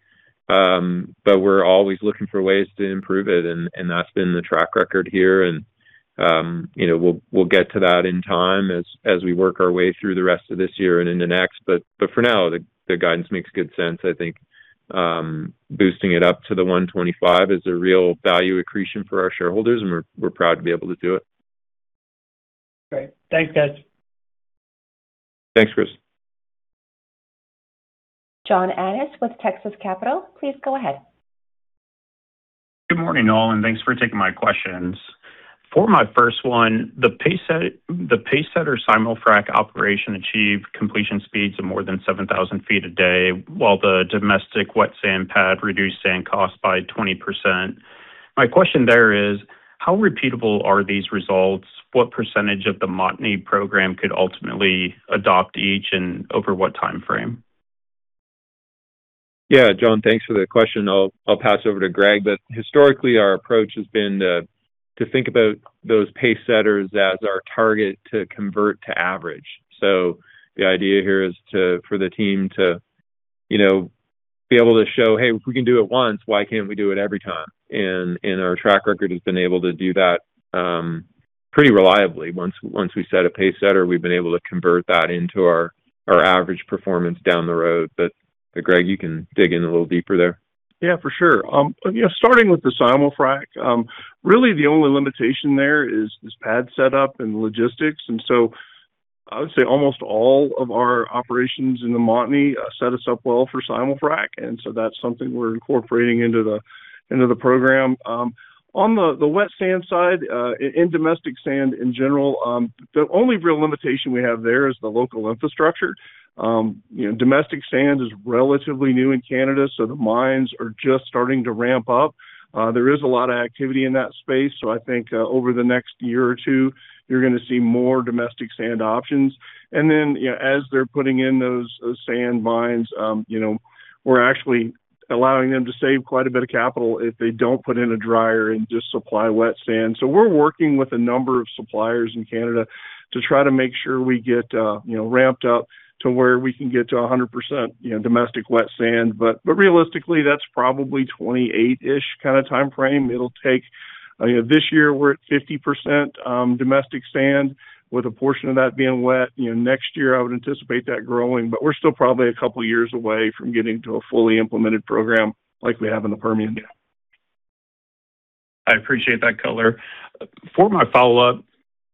We're always looking for ways to improve it, and that's been the track record here. We'll get to that in time as we work our way through the rest of this year and into next. For now, the guidance makes good sense. I think boosting it up to the 125 is a real value accretion for our shareholders, and we're proud to be able to do it. Great. Thanks, guys. Thanks, Chris. John Annis with Texas Capital, please go ahead. Good morning, all, and thanks for taking my questions. For my first one, the pace setter Simul-frac operation achieved completion speeds of more than 7,000 ft a day, while the domestic wet sand pad reduced sand costs by 20%. My question there is, how repeatable are these results? What percentage of the Montney program could ultimately adopt each, and over what timeframe? Yeah, John, thanks for the question. I'll pass over to Greg. Historically, our approach has been to think about those pace setters as our target to convert to average. The idea here is for the team to be able to show, hey, if we can do it once, why can't we do it every time? Our track record has been able to do that pretty reliably. Once we set a pace setter, we've been able to convert that into our average performance down the road. Greg, you can dig in a little deeper there. Yeah, for sure. Starting with the Simul-frac, really the only limitation there is pad setup and logistics. I would say almost all of our operations in the Montney set us up well for Simul-frac. That's something we're incorporating into the program. On the wet sand side, in domestic sand in general, the only real limitation we have there is the local infrastructure. Domestic sand is relatively new in Canada, the mines are just starting to ramp up. There is a lot of activity in that space, I think, over the next year or two, you're going to see more domestic sand options. As they're putting in those sand mines, we're actually allowing them to save quite a bit of capital if they don't put in a dryer and just supply wet sand. We're working with a number of suppliers in Canada to try to make sure we get ramped up to where we can get to 100% domestic wet sand. Realistically, that's probably 2028-ish kind of timeframe it'll take. This year, we're at 50% domestic sand, with a portion of that being wet. Next year, I would anticipate that growing, but we're still probably a couple years away from getting to a fully implemented program like we have in the Permian. I appreciate that color. For my follow-up,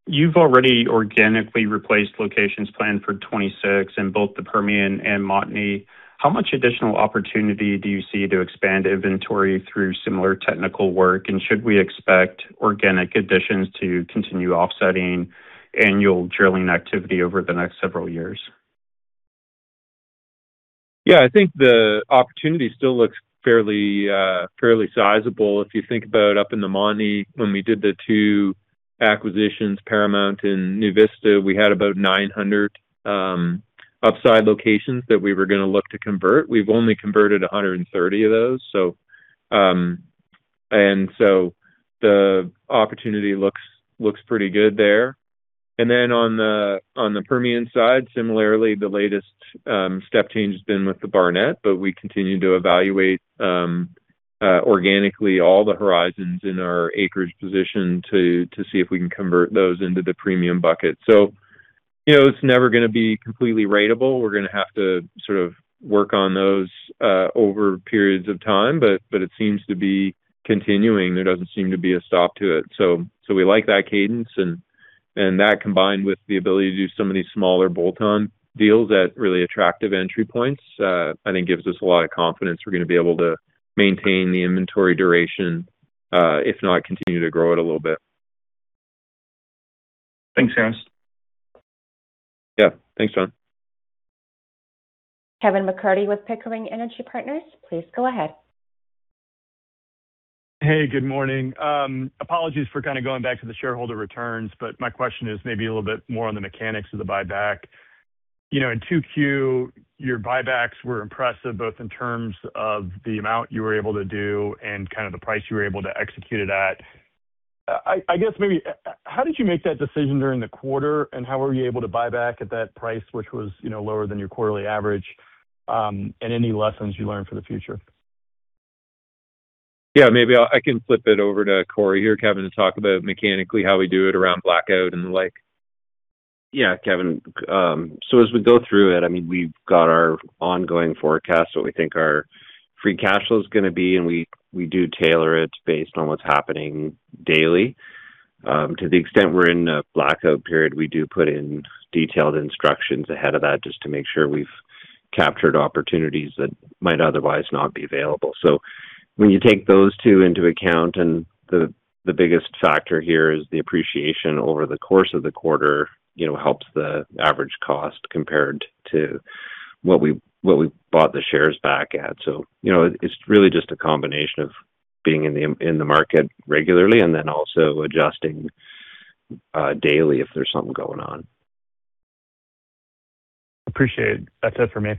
you've already organically replaced locations planned for 2026 in both the Permian and Montney. How much additional opportunity do you see to expand inventory through similar technical work, and should we expect organic additions to continue offsetting annual drilling activity over the next several years? I think the opportunity still looks fairly sizable. If you think about up in the Montney, when we did the two acquisitions, Paramount and NuVista, we had about 900 upside locations that we were going to look to convert. We've only converted 130 of those. The opportunity looks pretty good there. On the Permian side, similarly, the latest step change has been with the Barnett, but we continue to evaluate organically all the horizons in our acreage position to see if we can convert those into the premium bucket. It's never going to be completely ratable. We're going to have to sort of work on those over periods of time, but it seems to be continuing. There doesn't seem to be a stop to it. We like that cadence, and that combined with the ability to do some of these smaller bolt-on deals at really attractive entry points, I think gives us a lot of confidence we're going to be able to maintain the inventory duration. If not, continue to grow it a little bit. Thanks, guys. Yeah. Thanks, John. Kevin MacCurdy with Pickering Energy Partners, please go ahead. Good morning. Apologies for kind of going back to the shareholder returns, my question is maybe a little bit more on the mechanics of the buyback. In 2Q, your buybacks were impressive, both in terms of the amount you were able to do and kind of the price you were able to execute it at. I guess maybe how did you make that decision during the quarter, how were you able to buy back at that price, which was lower than your quarterly average? Any lessons you learned for the future? Yeah, maybe I can flip it over to Corey here, Kevin, to talk about mechanically how we do it around blackout and the like. Yeah, Kevin. As we go through it, I mean, we've got our ongoing forecast, what we think our free cash flow is going to be, we do tailor it based on what's happening daily. To the extent we're in a blackout period, we do put in detailed instructions ahead of that just to make sure we've captured opportunities that might otherwise not be available. When you take those two into account, the biggest factor here is the appreciation over the course of the quarter helps the average cost compared to what we bought the shares back at. It's really just a combination of being in the market regularly also adjusting daily if there's something going on. Appreciate it. That's it for me.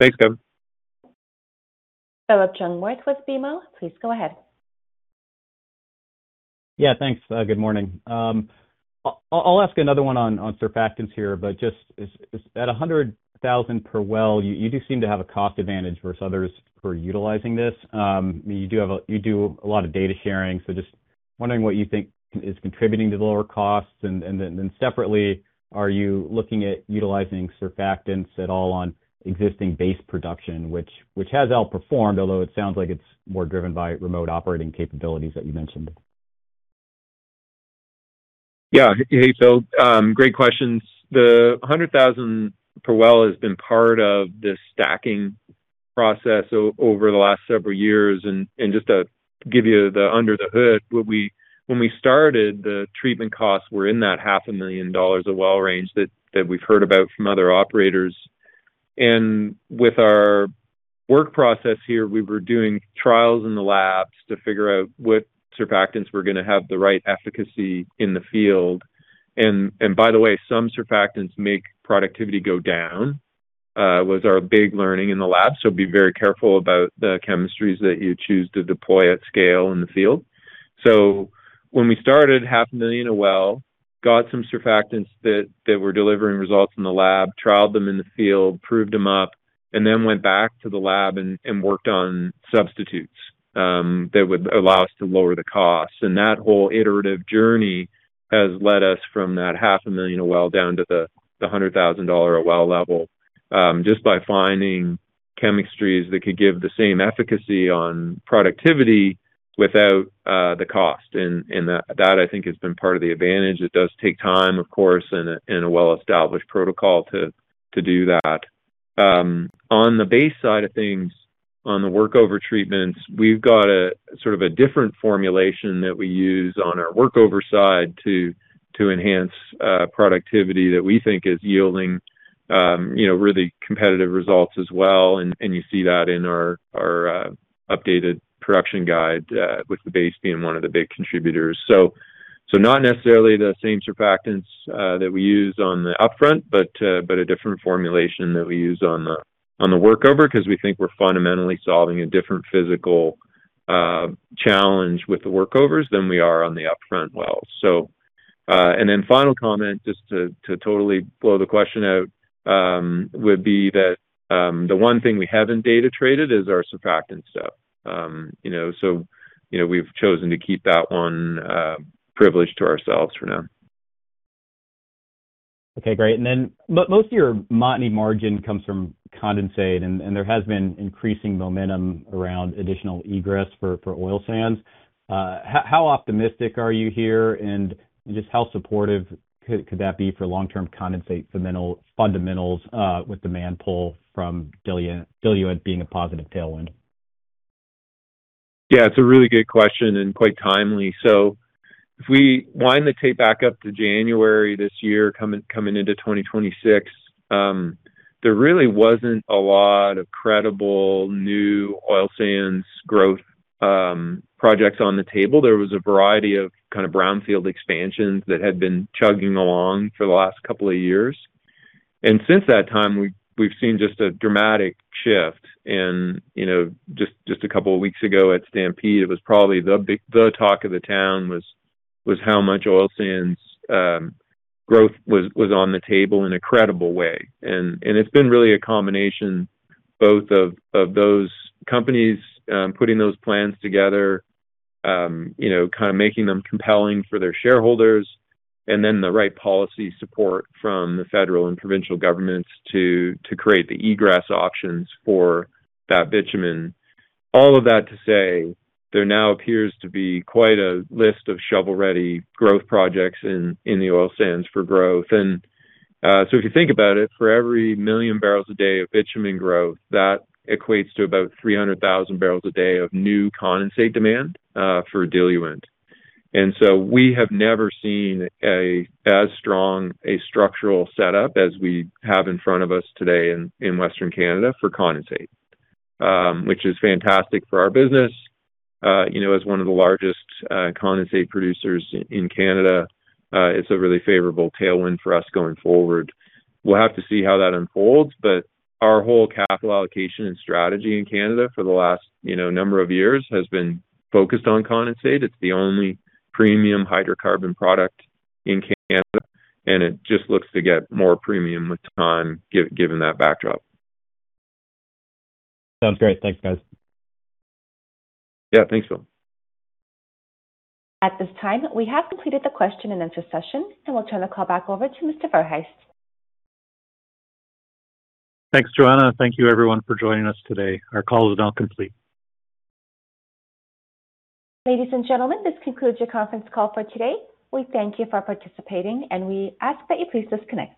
Thanks, Kevin. [inaudible] Please go ahead. Thanks. Good morning. I'll ask another one on surfactants here, just at 100,000 per well, you do seem to have a cost advantage versus others for utilizing this. You do a lot of data sharing. Just wondering what you think is contributing to the lower costs. Then separately, are you looking at utilizing surfactants at all on existing base production, which has outperformed, although it sounds like it's more driven by remote operating capabilities that you mentioned. Hey, [inaudible] Great questions. The 100,000 per well has been part of this stacking process over the last several years. Just to give you the under the hood, when we started, the treatment costs were in that $500,000 a well range that we've heard about from other operators. With our work process here, we were doing trials in the labs to figure out what surfactants were going to have the right efficacy in the field. By the way, some surfactants make productivity go down, was our big learning in the lab. Be very careful about the chemistries that you choose to deploy at scale in the field. When we started $500,000 a well, got some surfactants that were delivering results in the lab, trialed them in the field, proved them up, then went back to the lab and worked on substitutes that would allow us to lower the cost. That whole iterative journey has led us from that $500,000 a well down to the $100,000 a well level, just by finding chemistries that could give the same efficacy on productivity without the cost. That, I think, has been part of the advantage. It does take time, of course, and a well-established protocol to do that. On the base side of things, on the workover treatments, we've got a different formulation that we use on our workover side to enhance productivity that we think is yielding really competitive results as well. You see that in our updated production guide, with the base being one of the big contributors. Not necessarily the same surfactants that we use on the upfront, but a different formulation that we use on the workover, because we think we're fundamentally solving a different physical challenge with the workovers than we are on the upfront well. Final comment, just to totally blow the question out, would be that the one thing we haven't data traded is our surfactant stuff. We've chosen to keep that one privileged to ourselves for now. Okay, great. Most of your Montney margin comes from condensate, and there has been increasing momentum around additional egress for oil sands. How optimistic are you here, and just how supportive could that be for long-term condensate fundamentals with demand pull from diluent being a positive tailwind? Yeah, it's a really good question and quite timely. If we wind the tape back up to January this year, coming into 2026, there really wasn't a lot of credible new oil sands growth projects on the table. There was a variety of kind of brownfield expansions that had been chugging along for the last couple of years. Since that time, we've seen just a dramatic shift. Just a couple of weeks ago at Stampede, it was probably the talk of the town was how much oil sands growth was on the table in a credible way. It's been really a combination both of those companies putting those plans together, kind of making them compelling for their shareholders, and then the right policy support from the federal and provincial governments to create the egress options for that bitumen. All of that to say, there now appears to be quite a list of shovel-ready growth projects in the oil sands for growth. If you think about it, for every 1 million barrels a day of bitumen growth, that equates to about 300,000 bbl/d of new condensate demand for diluent. We have never seen as strong a structural setup as we have in front of us today in Western Canada for condensate, which is fantastic for our business. As one of the largest condensate producers in Canada, it's a really favorable tailwind for us going forward. We'll have to see how that unfolds, but our whole capital allocation and strategy in Canada for the last number of years has been focused on condensate. It's the only premium hydrocarbon product in Canada, and it just looks to get more premium with time, given that backdrop. Sounds great. Thanks, guys. Yeah. Thanks. At this time, we have completed the question and answer session. We'll turn the call back over to Mr. Verhaest. Thanks, Joanna. Thank you everyone for joining us today. Our call is now complete. Ladies and gentlemen, this concludes your conference call for today. We thank you for participating, and we ask that you please disconnect.